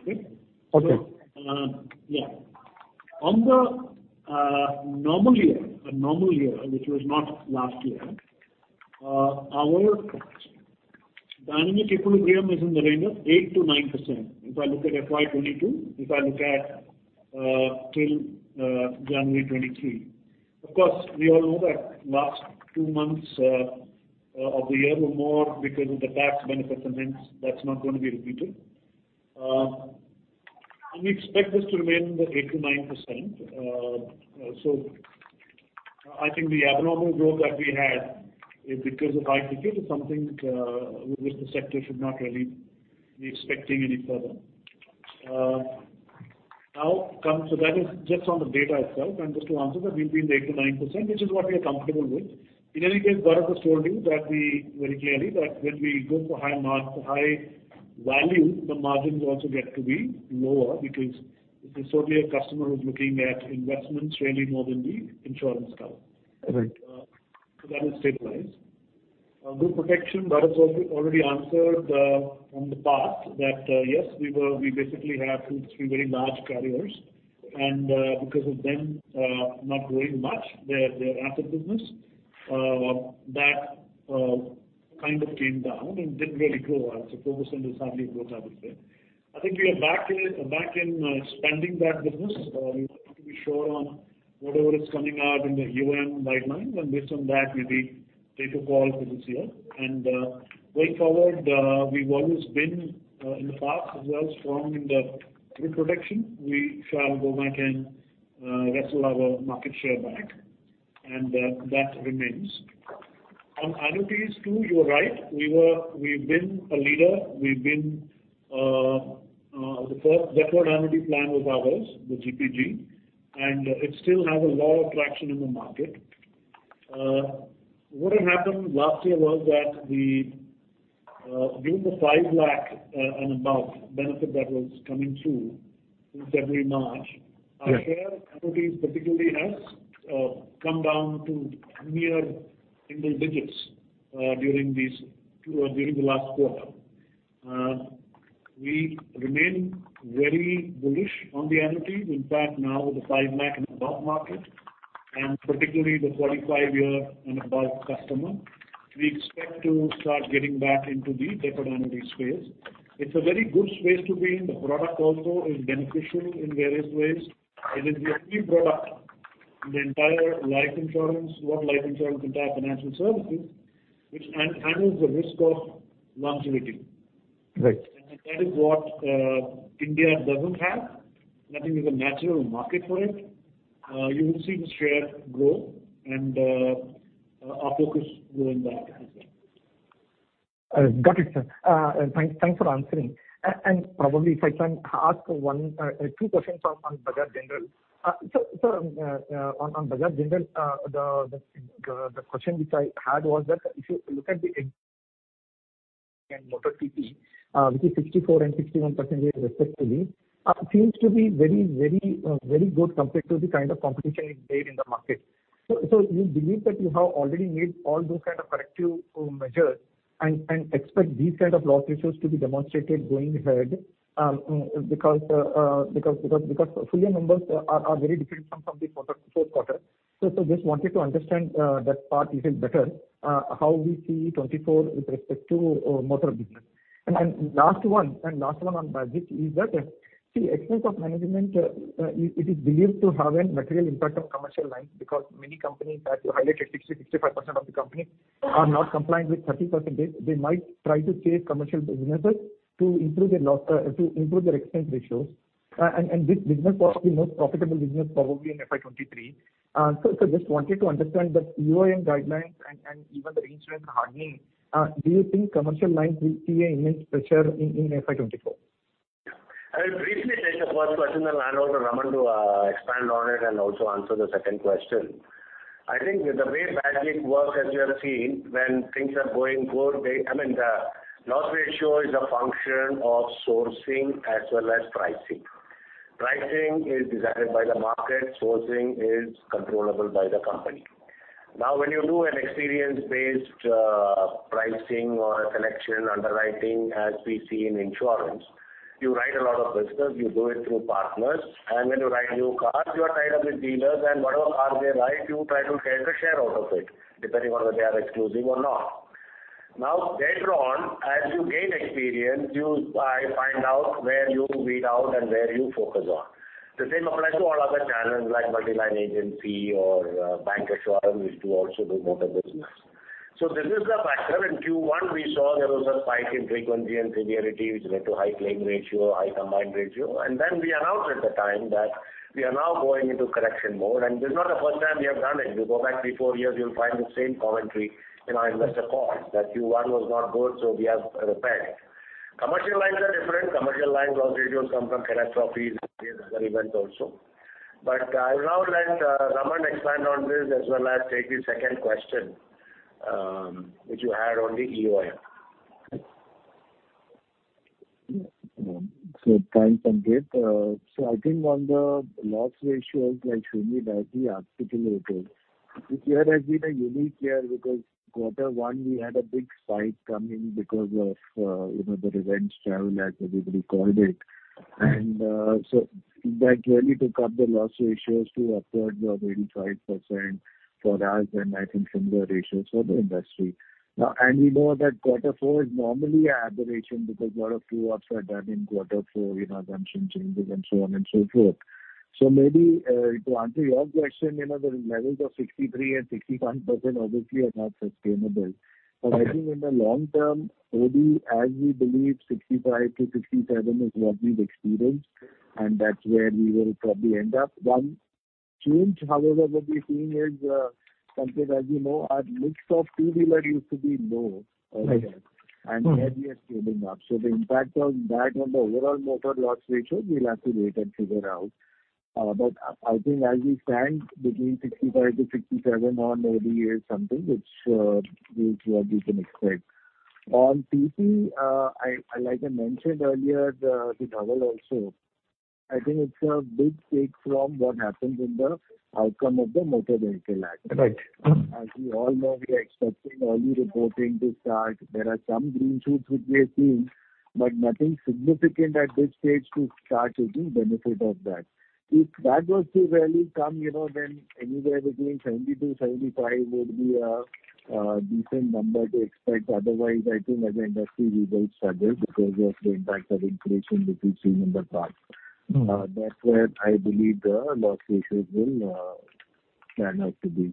Okay? Okay. Yeah. On the normal year, a normal year, which was not last year, our dynamic equilibrium is in the range of 8-9%. If I look at FY 2022, if I look at till January 2023. Of course, we all know that last two months of the year were more because of the tax benefit and hence that's not going to be repeated. We expect this to remain the 8%-9%. I think the abnormal growth that we had is because of high ticket is something which the sector should not really be expecting any further. That is just on the data itself. Just to answer that we've been the 8%-9%, which is what we are comfortable with. In any case, Bharat has told you that very clearly that when we go for high-Value, the margins also get to be lower because it is only a customer who's looking at investments really more than the insurance cover. Right. That is stabilized. On group protection, Bharat's already answered from the past that yes, we basically have two, three very large carriers, and because of them, not growing much their asset business, that kind of came down and didn't really grow. I'd say 4% is hardly a growth out there. I think we are back in spending that business. We want to be sure on whatever is coming out in the EoM guidelines, and based on that, we'll be take a call for this year. Going forward, we've always been in the past as well, strong in the group protection. We shall go back and wrestle our market share back, and that remains. On annuities too, you are right. We've been a leader. We've been the first deferred annuity plan was ours, the GPG, and it still has a lot of traction in the market. What had happened last year was that the during the 5 lakh, and above benefit that was coming through in February, March. Right. Our share annuities particularly has come down to near single digits during these two or during the last quarter. We remain very bullish on the annuity. Now with the 5 lakh and above market, and particularly the 45-year and above customer, we expect to start getting back into the deferred annuity space. It's a very good space to be in. The product also is beneficial in various ways. It is the only product in the entire life insurance, not life insurance, entire financial services which handles the risk of longevity. Right. That is what India doesn't have. I think there's a natural market for it. You will see the share grow and our focus going back as well. Got it, sir. Thanks for answering. Probably if I can ask one, two questions on Bajaj General. Sir, on Bajaj General, the question which I had was that if you look at the in motor CP, which is 64% and 61% respectively, seems to be very good compared to the kind of competition it made in the market. You believe that you have already made all those kind of corrective measures and expect these kind of loss ratios to be demonstrated going ahead, because full year numbers are very different from the fourth quarter. Just wanted to understand that part even better, how we see 2024 with respect to motor business. Last one, and last one on BAGIC is that, see, expense of management, it is believed to have a material impact on commercial lines because many companies, as you highlighted, 60%-65% of the companies are not compliant with 30%. They might try to chase commercial businesses to improve their loss, to improve their expense ratios. This business is probably most profitable business probably in FY 2023. So, just wanted to understand that EoM guidelines and even the reinsurance hardening, do you think commercial lines will see a immense pressure in FY 2024? I will briefly take the first question, then hand over to Raman to expand on it and also answer the second question. I think the way BAGIC works, as you have seen, when things are going good, I mean, the loss ratio is a function of sourcing as well as pricing. Pricing is decided by the market, sourcing is controllable by the company. Now, when you do an experience-based pricing or a selection underwriting, as we see in insurance, you write a lot of business, you do it through partners, and when you write new cars, you are tied up with dealers, and whatever car they write, you try to get a share out of it, depending on whether they are exclusive or not. Now, later on, as you gain experience, you find out where you weed out and where you focus on. The same applies to all other channels like multi-line agency or bancassurance, which do also do motor business. This is the factor. In Q1 we saw there was a spike in frequency and severity which led to high claim ratio, high combined ratio. We announced at the time that we are now going into correction mode, and this is not the first time we have done it. You go back three, four years, you'll find the same commentary in our investor calls that Q1 was not good, we have repaired. Commercial lines are different. Commercial lines also do come from catastrophes and other events also. I'll now let Ramandeep expand on this as well as take the second question which you had on the EoM. Yeah. Thanks, Sanketh. I think on the loss ratios, like Sreeni nicely articulated, this year has been a unique year because Q1 we had a big spike come in because of, you know, the revenge travel, as everybody called it. That really took up the loss ratios to upwards of 85% for us and I think similar ratios for the industry. Now, we know that Q4 is normally an aberration because a lot of clean ups are done in Q4, you know, assumption changes and so on and so forth. Maybe, to answer your question, you know, the levels of 63% and 65% obviously are not sustainable. I think in the long term, OD as we believe 65%-67% is what we've experienced, and that's where we will probably end up. One change, however, what we're seeing is something as you know, our mix of two-wheeler used to be low earlier. Right. Here we are scaling up. The impact of that on the overall motor loss ratios, we'll have to wait and figure out. I think as we stand between 65-67 on maybe is something which we, what we can expect. On TP, I, like I mentioned earlier, with Rahul also, I think it's a big take from what happens in the outcome of the Motor Vehicles Act. Right. As we all know, we are expecting early reporting to start. There are some green shoots which we are seeing, nothing significant at this stage to start taking benefit of that. If that was to really come, you know, then anywhere between 70-75 would be a decent number to expect. Otherwise, I think as an industry we will struggle because of the impact of inflation which we've seen in the past. Mm-hmm. That's where I believe the loss ratios will turn out to be.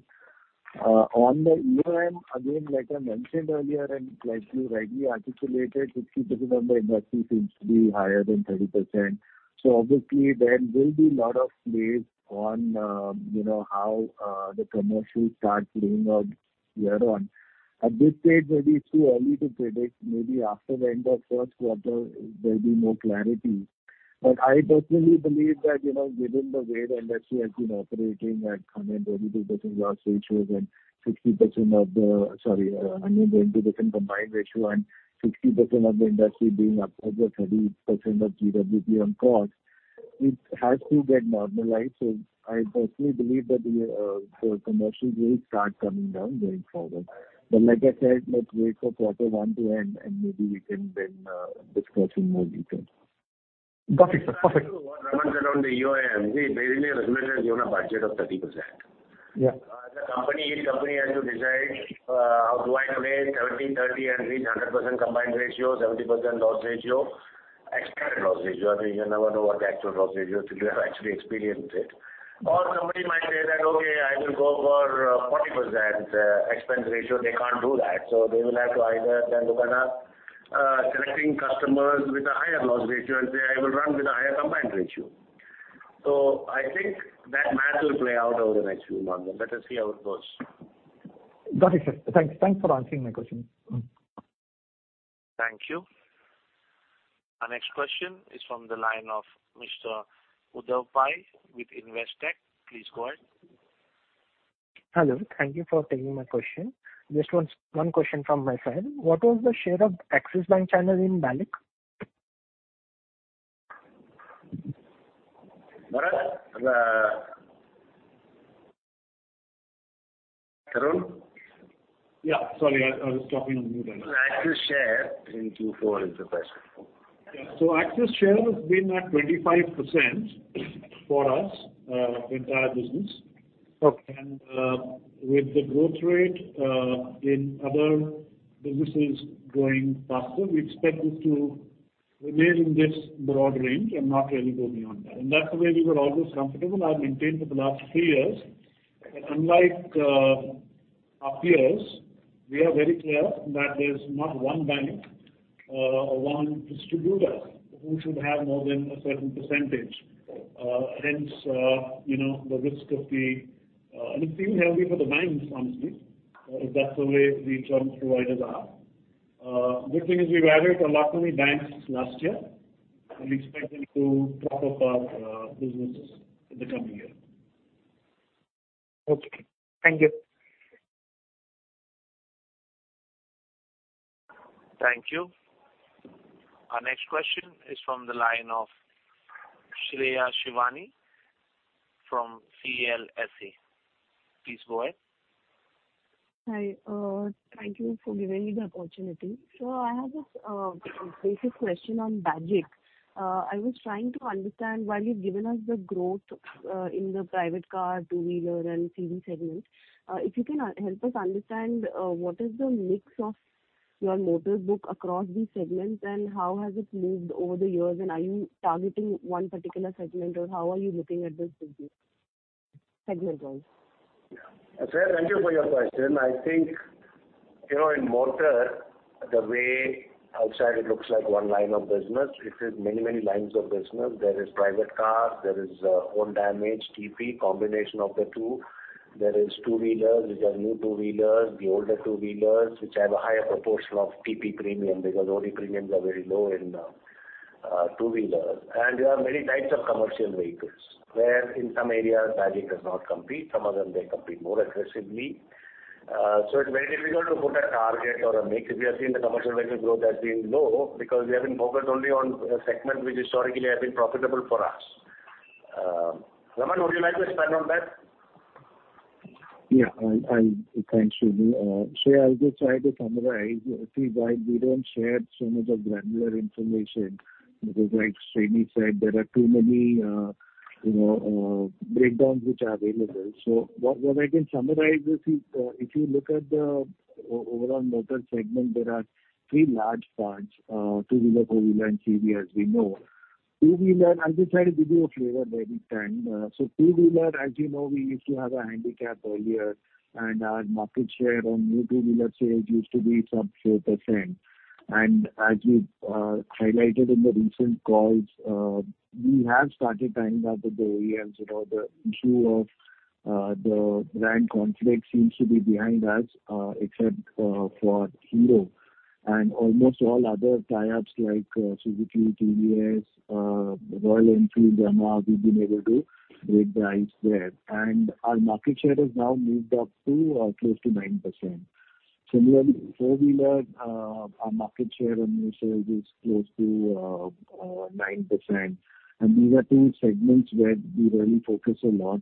On the EoM, again, like I mentioned earlier, and like you rightly articulated, 60% of the industry seems to be higher than 30%. Obviously there will be lot of plays on, you know, how the commercials start playing out year on. At this stage maybe it's too early to predict. Maybe after the end of first quarter there'll be more clarity. I personally believe that, you know, given the way the industry has been operating at 122% loss ratios and, Sorry, 120% combined ratio and 60% of the industry being above the 30% of GWP on cost, it has to get normalized. I personally believe that the commercials will start coming down going forward. Like I said, let's wait for quarter one to end, and maybe we can then discuss in more detail. Perfect. Perfect. Raman, around the UIM, see, IRDAI has given a budget of 30%. Yeah. The company, each company has to decide, how do I play 70/30 and reach 100% combined ratio, 70% loss ratio, expected loss ratio. I mean, you never know what the actual loss ratio till you have actually experienced it. Somebody might say that, "Okay, I will go for 40% expense ratio." They can't do that. They will have to either stand up and, selecting customers with a higher loss ratio and say, "I will run with a higher combined ratio." I think that math will play out over the next few months, and let us see how it goes. Got it, sir. Thanks. Thanks for answering my question. Thank you. Our next question is from the line of Mr. Uday Pai with Investec. Please go ahead. Hello. Thank you for taking my question. Just one question from my side. What was the share of Axis Bank channel in BALIC? Bharat, the... Tarun? Yeah. Sorry, I was talking on mute. Axis share in 2024 is the question? Yeah. Axis share has been at 25% for us, the entire business. Okay. With the growth rate in other businesses growing faster, we expect it to remain in this broad range and not really go beyond that. That's the way we were always comfortable and maintained for the last three years. Unlike our peers, we are very clear that there's not one bank or one distributor who should have more than a certain percentage. Hence, you know, it's even healthy for the banks, honestly, if that's the way the insurance providers are. Good thing is we've added a lot many banks last year, and we expect them to prop up our businesses in the coming year. Okay. Thank you. Thank you. Our next question is from the line of Shreya Shivani from CLSA. Please go ahead. Hi. Thank you for giving me the opportunity. I have a basic question on Bajaj. I was trying to understand while you've given us the growth in the private car, two-wheeler and CV segment. If you can help us understand what is the mix of your motor book across these segments, and how has it moved over the years? Are you targeting one particular segment, or how are you looking at this business segment wise? Yeah. Shreya, thank you for your question. I think, you know, in motor the way outside it looks like one line of business. It is many, many lines of business. There is private cars, there is own damage, TP, combination of the two. There is two-wheelers, which are new two-wheelers, the older two-wheelers which have a higher proportion of TP premium because OD premiums are very low in two-wheelers. There are many types of commercial vehicles where in some areas Bajaj does not compete, some of them they compete more aggressively. It's very difficult to put a target or a mix. We have seen the commercial vehicle growth has been low because we have been focused only on a segment which historically has been profitable for us. Raman, would you like to expand on that? Thanks, Shreya. Shreya, I'll just try to summarize. While we don't share so much of granular information because like Sreeni said, there are too many, you know, breakdowns which are available. What I can summarize is, if you look at the overall motor segment, there are three large parts, two-wheeler, four-wheeler and CV as we know. Two-wheeler, I'll just try to give you a flavor where we stand. Two-wheeler, as you know, we used to have a handicap earlier, and our market share on new two-wheeler sales used to be sub 4%. As we've highlighted in the recent calls, we have started gaining out the OEMs. You know, the issue of the brand conflict seems to be behind us, except for Hero and almost all other tie-ups like Suzuki, TVS, Royal Enfield, Yamaha, we've been able to break the ice there. Our market share has now moved up to close to 9%. Similarly, four-wheeler, our market share on new sales is close to 9%. These are two segments where we really focus a lot.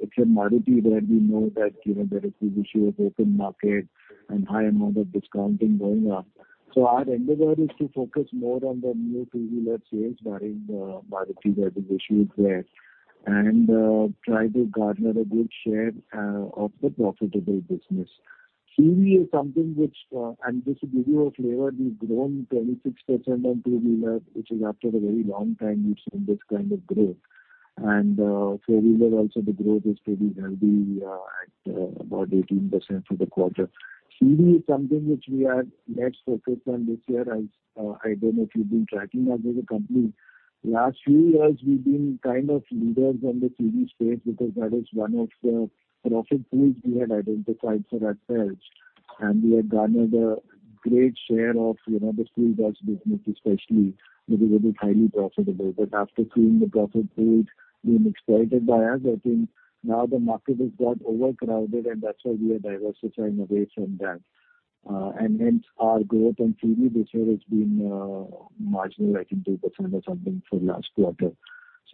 Except Maruti, where we know that, you know, there is this issue of open market and high amount of discounting going on. Our endeavor is to focus more on the new two-wheeler sales barring the Maruti that is issued there, and try to garner a good share of the profitable business. TV is something which, and just to give you a flavor, we've grown 26% on two-wheeler, which is after a very long time we've seen this kind of growth. Four-wheeler also the growth is pretty healthy at about 18% for the quarter. TV is something which we are less focused on this year as, I don't know if you've been tracking as a company. Last few years, we've been kind of leaders on the TV space because that is one of the profit pools we had identified for ourselves, and we had garnered a great share of, you know, the free bus business especially, because it is highly profitable. After seeing the profit pool being exploited by us, I think now the market has got overcrowded and that's why we are diversifying away from that. Hence our growth on TV this year has been marginal, I think 2% or something for last quarter.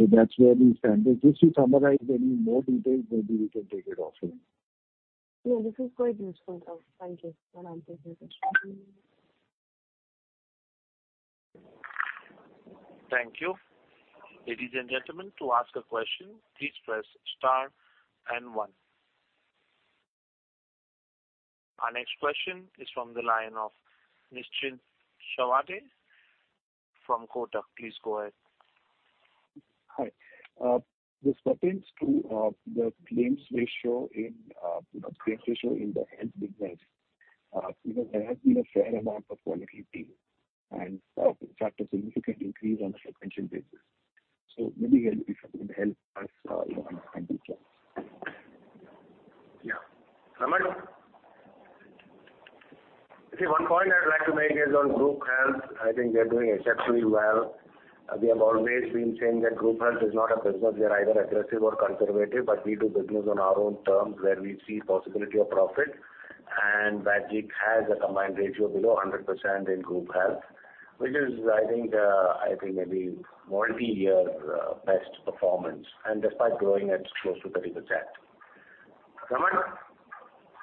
That's where we stand. If you summarize any more details, maybe we can take it off here. No, this is quite useful. Thank you. I'll take further. Thank you. Ladies and gentlemen, to ask a question, please press star and one. Our next question is from the line of Nischint Chawathe from Kotak. Please go ahead. Hi. This pertains to the claims ratio in the health business. There has been a fair amount of volatility and in fact, a significant increase on a sequential basis. Maybe you can help us, you know, understand this one. Yeah. Raman? One point I'd like to make is on group health. I think they're doing exceptionally well. We have always been saying that group health is not a business. We are either aggressive or conservative, we do business on our own terms where we see possibility of profit and that it has a combined ratio below 100% in group health, which is, I think, I think maybe multi-year best performance and despite growing at close to 30%. Raman,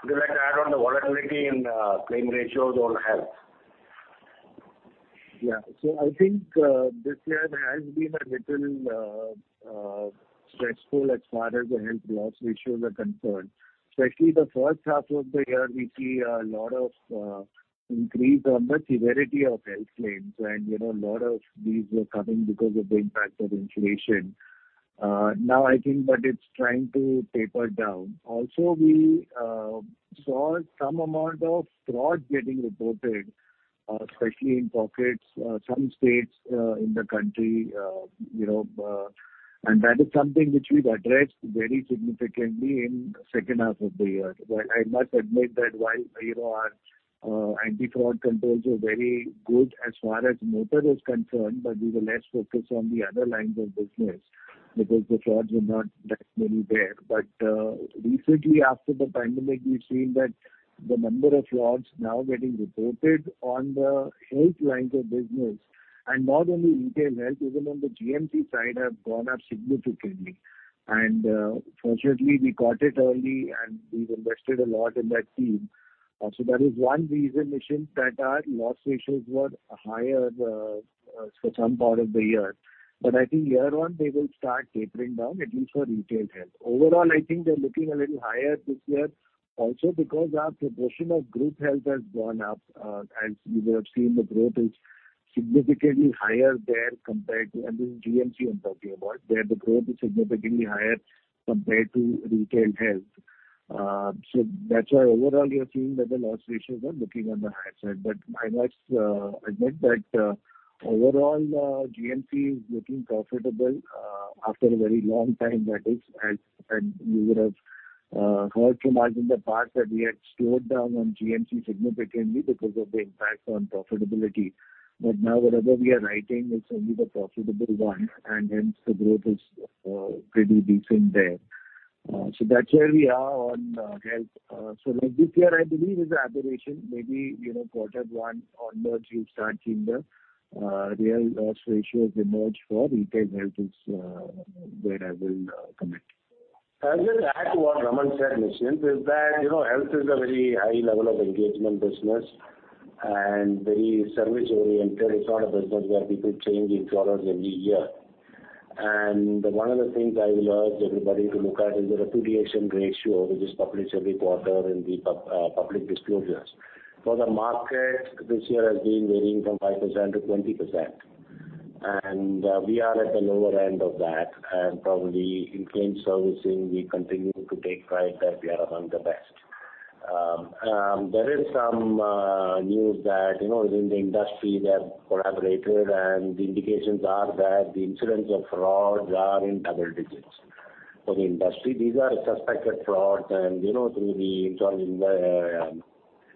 would you like to add on the volatility and claim ratios on health? I think this year has been a little stressful as far as the health loss ratios are concerned. Especially the first half of the year, we see a lot of increase on the severity of health claims and, you know, a lot of these were coming because of the impact of inflation. Now I think that it's trying to taper down. We saw some amount of fraud getting reported, especially in pockets, some states in the country, you know, that is something which we've addressed very significantly in second half of the year. I must admit that while, you know, our anti-fraud controls are very good as far as motor is concerned, we were less focused on the other lines of business because the frauds were not that many there. Recently after the pandemic, we've seen that the number of frauds now getting reported on the health lines of business, and not only retail health, even on the GMC side have gone up significantly. Fortunately, we caught it early and we've invested a lot in that team. So that is one reason, Nischint, that our loss ratios were higher for some part of the year. I think year one they will start tapering down, at least for retail health. Overall, I think they're looking a little higher this year also because our proportion of group health has gone up. As you would have seen, the growth is significantly higher there compared to, I mean, GMC I'm talking about, where the growth is significantly higher compared to retail health. That's why overall you are seeing that the loss ratios are looking on the higher side. I must admit that overall GMC is looking profitable after a very long time that is. You would have heard from us in the past that we had slowed down on GMC significantly because of the impact on profitability. Now whatever we are writing is only the profitable one and hence the growth is pretty decent there. That's where we are on health. Like this year I believe is an aberration. Maybe, you know, quarter one onwards you'll start seeing the real loss ratios emerge for retail health is where I will commit. I'll just add to what Raman said, Nischint, is that, you know, health is a very high level of engagement business and very service-oriented. It's not a business where people change insurers every year. One of the things I will urge everybody to look at is the repudiation ratio, which is published every quarter in the public disclosures. For the market, this year has been varying from 5%-20%, and we are at the lower end of that. Probably in claim servicing, we continue to take pride that we are among the best. There is some news that, you know, within the industry they have collaborated, and the indications are that the incidents of fraud are in double digits for the industry. These are suspected frauds and, you know, through the Insurance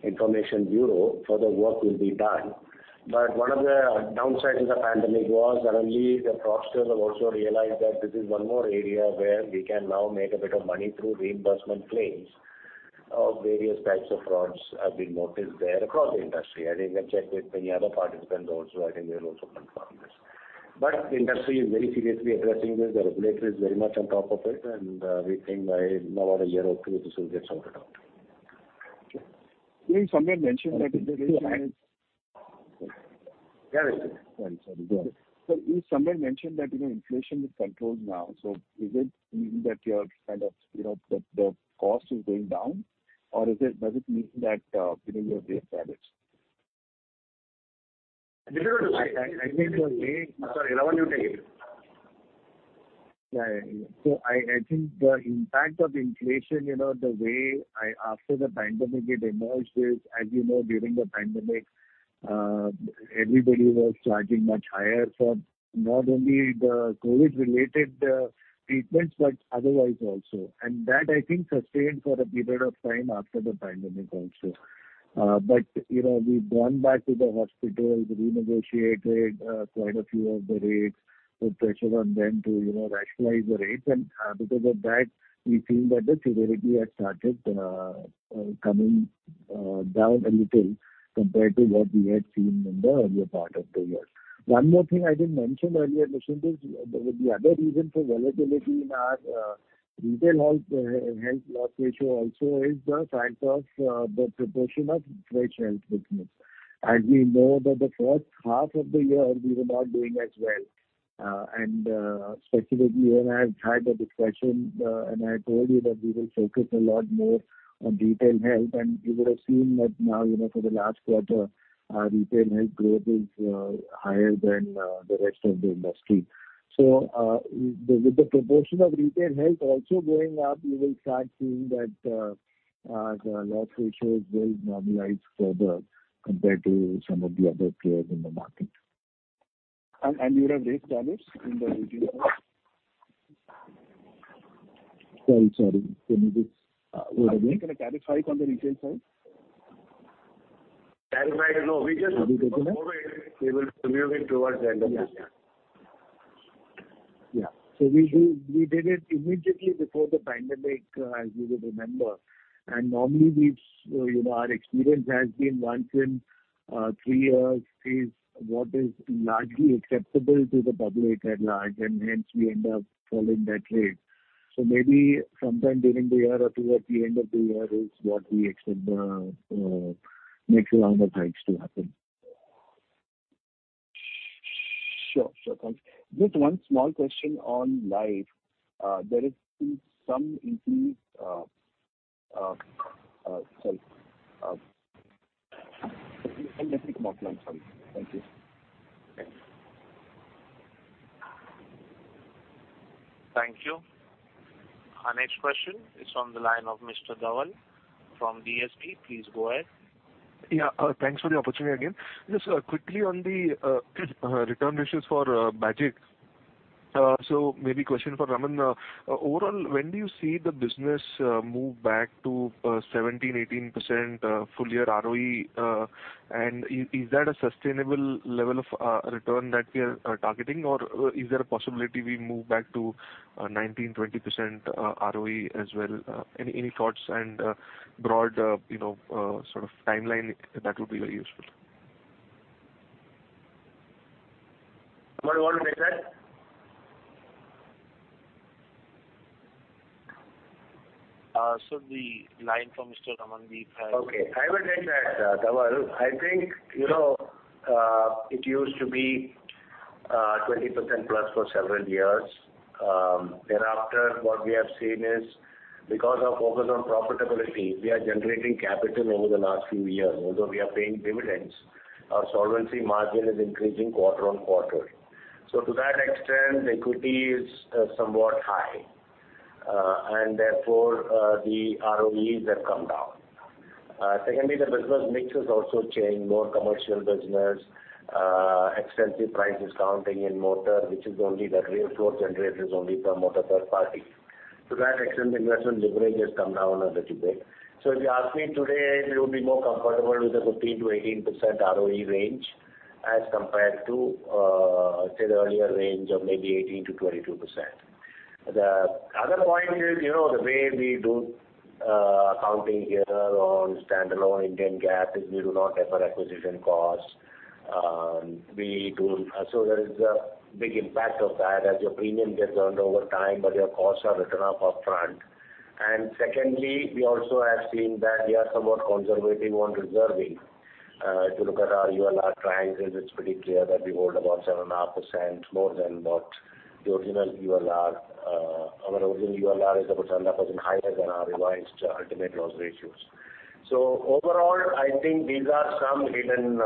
Information Bureau, further work will be done. One of the downsides of the pandemic was suddenly the fraudsters have also realized that this is one more area where we can now make a bit of money through reimbursement claims of various types of frauds have been noticed there across the industry. You can check with many other participants also, I think they'll also confirm this. The industry is very seriously addressing this. The regulator is very much on top of it, and we think by now about a year or two this will get sorted out. Okay. You somewhere mentioned that. Yeah. Sorry. Go ahead. You somewhere mentioned that, you know, inflation is controlled now, so is it meaning that you're kind of, you know, the cost is going down or does it mean that, you know, you have raised tariffs? I think. Sorry. No, you take it. Yeah. I think the impact of inflation, you know, the way after the pandemic it emerged is, as you know, during the pandemic, everybody was charging much higher for not only the COVID-related treatments, but otherwise also. That I think sustained for a period of time after the pandemic also. You know, we've gone back to the hospitals, renegotiated quite a few of the rates. Put pressure on them to, you know, rationalize the rates. Because of that, we feel that the severity had started coming down a little compared to what we had seen in the earlier part of the year. One more thing I didn't mention earlier, Nischint is, the other reason for volatility in our retail health loss ratio also is the fact of the proportion of fresh health business. As we know that the first half of the year we were not doing as well, and specifically you and I have had a discussion, and I told you that we will focus a lot more on retail health. You would have seen that now, you know, for the last quarter, our retail health growth is higher than the rest of the industry. With the proportion of retail health also going up, you will start seeing that the loss ratios will normalize further compared to some of the other players in the market. You would have raised tariffs in the retail side? Sorry. Can you please say again? Are you gonna clarify it on the retail side? Clarify it? No. We will move it towards the end of the year. Yeah. Yeah. We did it immediately before the pandemic, as you would remember. Normally, you know, our experience has been once in three-years is what is largely acceptable to the public at large. Hence, we end up following that rate. Maybe sometime during the year or towards the end of the year is what we expect the next round of hikes to happen. Sure. Sure. Thanks. Just one small question on life. There has been some increase. Sorry. Let me come offline. Sorry. Thank you. Thanks. Thank you. Our next question is from the line of Mr. Dawal from DSP. Please go ahead. Thanks for the opportunity again. Just quickly on the return ratios for Bajaj. Maybe question for Raman. Overall, when do you see the business move back to 17%-18% full year ROE, and is that a sustainable level of return that we are targeting or is there a possibility we move back to 19%-20% ROE as well? Any thoughts and broad, you know, sort of timeline that would be very useful. Raman, you want to take that? The line from Mr. Raman. Okay. I would add that, Dawal. I think, you know, it used to be 20% plus for several years. Thereafter, what we have seen is because our focus on profitability, we are generating capital over the last few years, although we are paying dividends, our solvency margin is increasing quarter-on-quarter. To that extent, the equity is somewhat high. Therefore, the ROEs have come down. Secondly, the business mix has also changed, more commercial business, extensive price discounting in motor, which is only the real flow generator is only from motor third party. To that extent, the investment leverage has come down a little bit. If you ask me today, we would be more comfortable with a 15%-18% ROE range as compared to, say the earlier range of maybe 18%-22%. The other point is, you know, the way we do accounting here on standalone Indian GAAP is we do not have our acquisition costs. There is a big impact of that as your premium gets earned over time, but your costs are written off upfront. Secondly, we also have seen that we are somewhat conservative on reserving. If you look at our ULR triangles, it's pretty clear that we hold about 7.5% more than what the original ULR. Our original ULR is about 7.5% higher than our revised ultimate loss ratios. Overall, I think these are some hidden,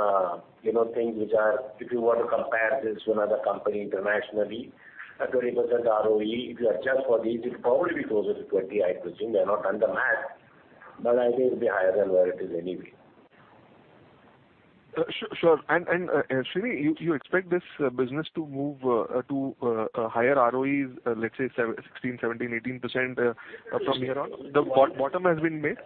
you know, things which are if you were to compare this to another company internationally. A 20% ROE, if you adjust for these, it'll probably be closer to 20, I presume. We have not done the math, I think it'll be higher than where it is anyway. Sure. Sreeni, you expect this business to move to a higher ROE, let's say 16%, 17%, 18%, from here on? The bottom has been made?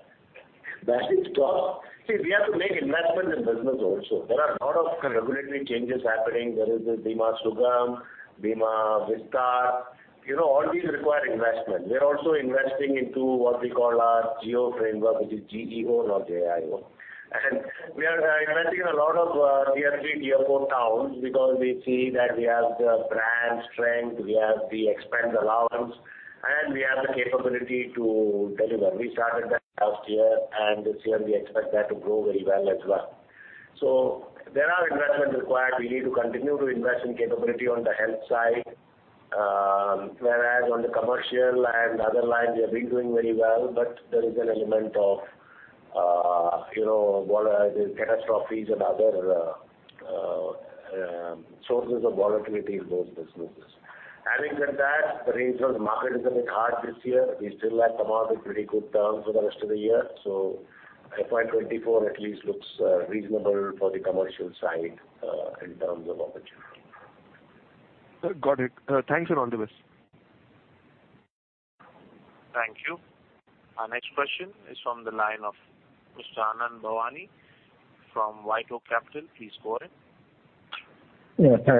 That is top. See, we have to make investments in business also. There are a lot of regulatory changes happening. There is this Bima Sugam, Bima Vistaar. You know, all these require investment. We are also investing into what we call our GEO framework, which is G-E-O, not J-I-O. We are investing in a lot of tier three, tier four towns because we see that we have the brand strength, we have the expense allowance, and we have the capability to deliver. We started that last year, and this year we expect that to grow very well as well. There are investment required. We need to continue to invest in capability on the health side. On the commercial and other lines, we have been doing very well, but there is an element of, you know, catastrophes and other sources of volatility in those businesses. Having said that, the range of the market is a bit hard this year. We still have some pretty good terms for the rest of the year. FY 2024 at least looks reasonable for the commercial side in terms of opportunity. Got it. Thanks a ton, Sreeni. Thank you. Our next question is from the line of Mr. Anand Bhavnani from White Oak Capital. Please go ahead.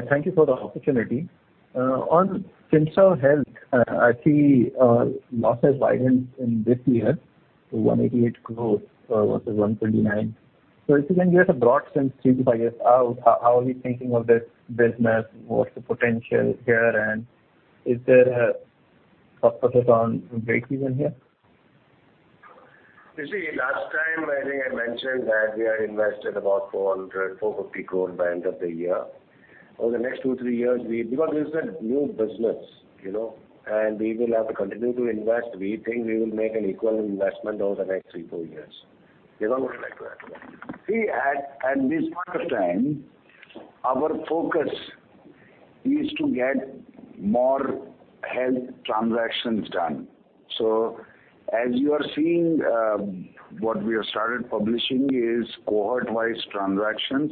Thank you for the opportunity. On Finserv Health, I see losses widened in this year to 188 crore versus 129 crore. If you can give us a broad sense, to simplify this, how are we thinking of this business? What's the potential here? Is there a focus on breakthroughs in here? You see, last time I think I mentioned that we are invested about 400-450 crore by end of the year. Over the next two to three-years, because this is a new business, you know, and we will have to continue to invest. We think we will make an equal investment over the next three to four-years. Is Anand there to add to that? See, at this point of time, our focus is to get more health transactions done. As you are seeing, what we have started publishing is cohort-wise transactions.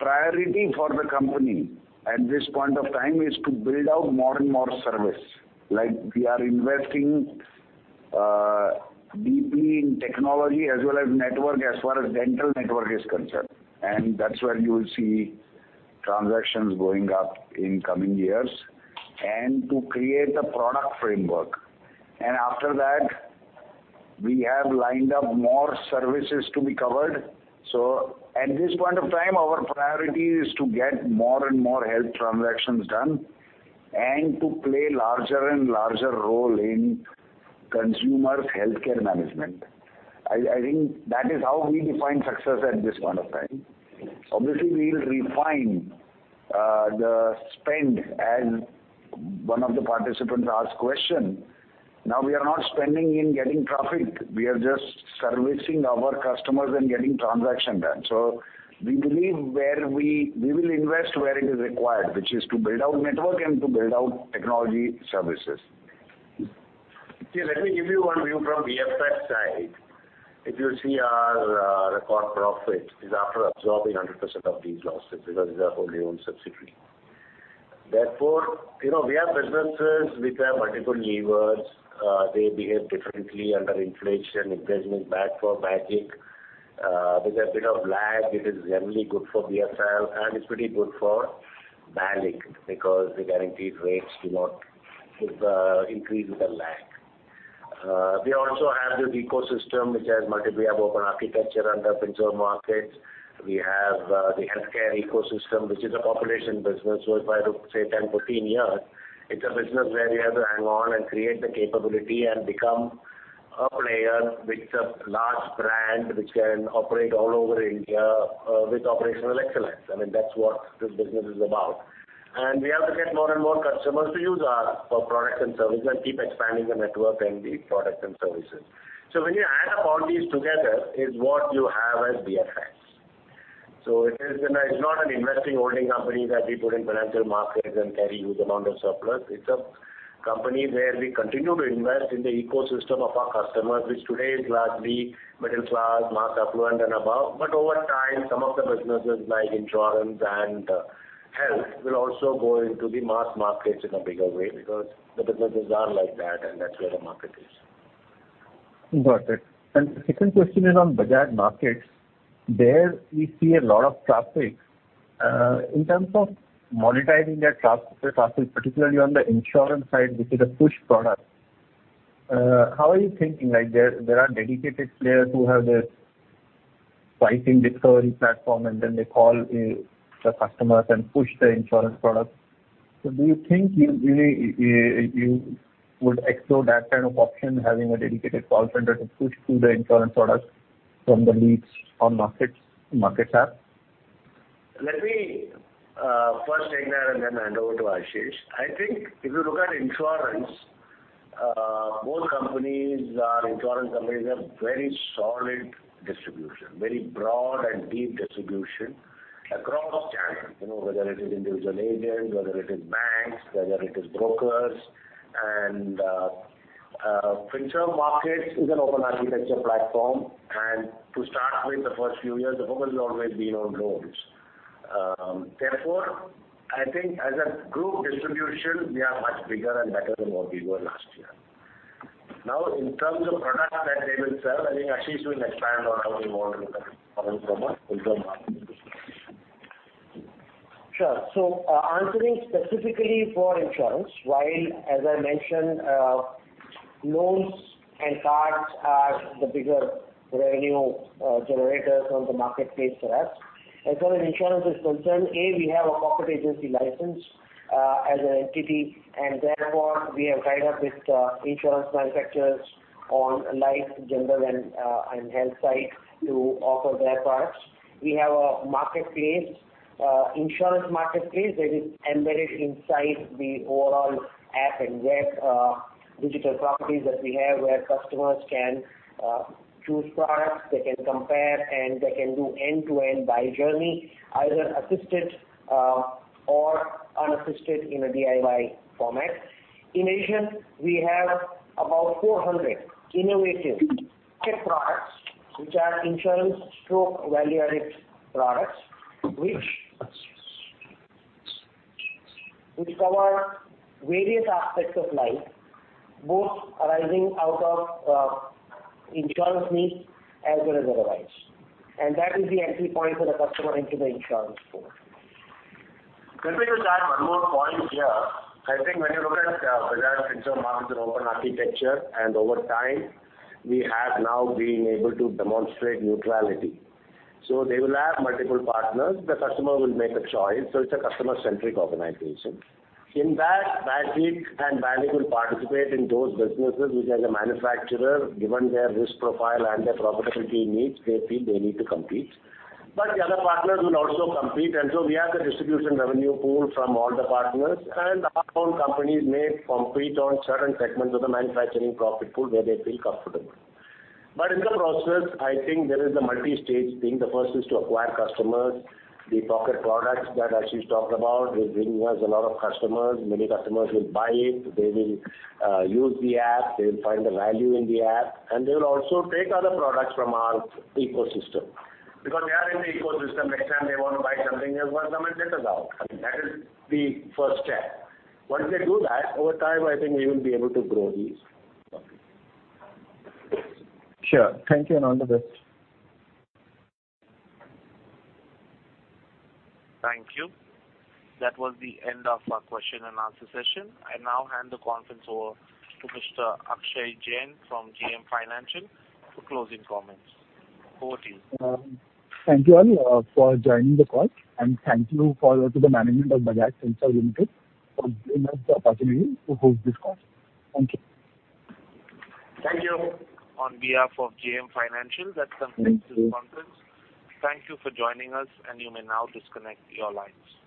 Priority for the company at this point of time is to build out more and more service. Like, we are investing deeply in technology as well as network as far as dental network is concerned, and that's where you will see transactions going up in coming years. To create the product framework. After that, we have lined up more services to be covered. At this point of time, our priority is to get more and more health transactions done and to play larger and larger role in consumers' healthcare management. I think that is how we define success at this point of time. Obviously, we'll refine, the spend, as one of the participants asked question. We are not spending in getting traffic. We are just servicing our customers and getting transaction done. We believe where we will invest where it is required, which is to build out network and to build out technology services. Let me give you one view from BFS side. If you see our, record profit is after absorbing 100% of these losses because they are fully owned subsidiary. You know, we have businesses which have multiple levers. They behave differently under inflation. Inflation is bad for BALIC. With a bit of lag, it is generally good for BSL and it's pretty good for BALIC because the guaranteed rates do not increase with the lag. We also have this ecosystem which has open architecture under Bajaj Markets. We have the healthcare ecosystem, which is a population business whereby say 10, 14 years, it's a business where you have to hang on and create the capability and become a player with a large brand which can operate all over India with operational excellence. I mean, that's what this business is about. We have to get more and more customers to use for products and services and keep expanding the network and the products and services. When you add up all these together is what you have as BFS. It is an. It's not an investing holding company that we put in financial markets and carry huge amount of surplus. It's a company where we continue to invest in the ecosystem of our customers, which today is largely middle class, mass affluent and above. Over time, some of the businesses like insurance and health will also go into the mass markets in a bigger way because the businesses are like that, and that's where the market is. Got it. The second question is on Bajaj Markets. There we see a lot of traffic. In terms of monetizing that traffic, particularly on the insurance side, which is a push product, how are you thinking? Like, there are dedicated players who have this pricing discovery platform, and then they call the customers and push the insurance product. Do you think you really would explore that kind of option, having a dedicated call center to push through the insurance products from the leads on Markets app? Let me first take that and then hand over to Ashish. I think if you look at Both companies are insurance companies have very solid distribution, very broad and deep distribution across channels, you know, whether it is individual agents, whether it is banks, whether it is brokers. Bajaj Markets is an open architecture platform and to start with the first few years, the focus has always been on loans. I think as a group distribution, we are much bigger and better than what we were last year. In terms of products that they will sell, I think Ashish will expand on how we want to look at from a Finserve Market distribution. Sure. Answering specifically for insurance, while as I mentioned, loans and cards are the bigger revenue generators on the marketplace for us. As far as insurance is concerned, A, we have a corporate agency license as an entity, and therefore we have tied up with insurance manufacturers on life, general and health side to offer their products. We have a marketplace, insurance marketplace that is embedded inside the overall app and web, digital properties that we have, where customers can choose products, they can compare, and they can do end-to-end buy journey, either assisted or unassisted in a DIY format. In addition, we have about 400 innovative tech products which are insurance stroke value-added products, which cover various aspects of life, both arising out of insurance needs as well as otherwise. That is the entry point for the customer into the insurance pool. Can we just add one more point here? I think when you look at Bajaj Markets as open architecture and over time, we have now been able to demonstrate neutrality. They will have multiple partners. The customer will make a choice, so it's a customer-centric organization. In that, Bankit and Bankit will participate in those businesses, which as a manufacturer, given their risk profile and their profitability needs, they feel they need to compete. The other partners will also compete, and so we have the distribution revenue pool from all the partners and our own companies may compete on certain segments of the manufacturing profit pool where they feel comfortable. In the process, I think there is a multi-stage thing. The first is to acquire customers. The pocket products that Ashish talked about is bringing us a lot of customers. Many customers will buy it. They will use the app. They will find the value in the app. They will also take other products from our ecosystem because they are in the ecosystem. Next time they want to buy something, they'll go to them and check us out. I mean, that is the first step. Once they do that, over time, I think we will be able to grow these products. Sure. Thank you. On to the next. Thank you. That was the end of our question and answer session. I now hand the conference over to Mr. Akshay Jain from JM Financial for closing comments. Over to you. Thank you all for joining the call, and thank you to the management of Bajaj Finserv Limited for giving us the opportunity to host this call. Thank you. Thank you. On behalf of JM Financial, that concludes this conference. Thank you for joining us. You may now disconnect your lines.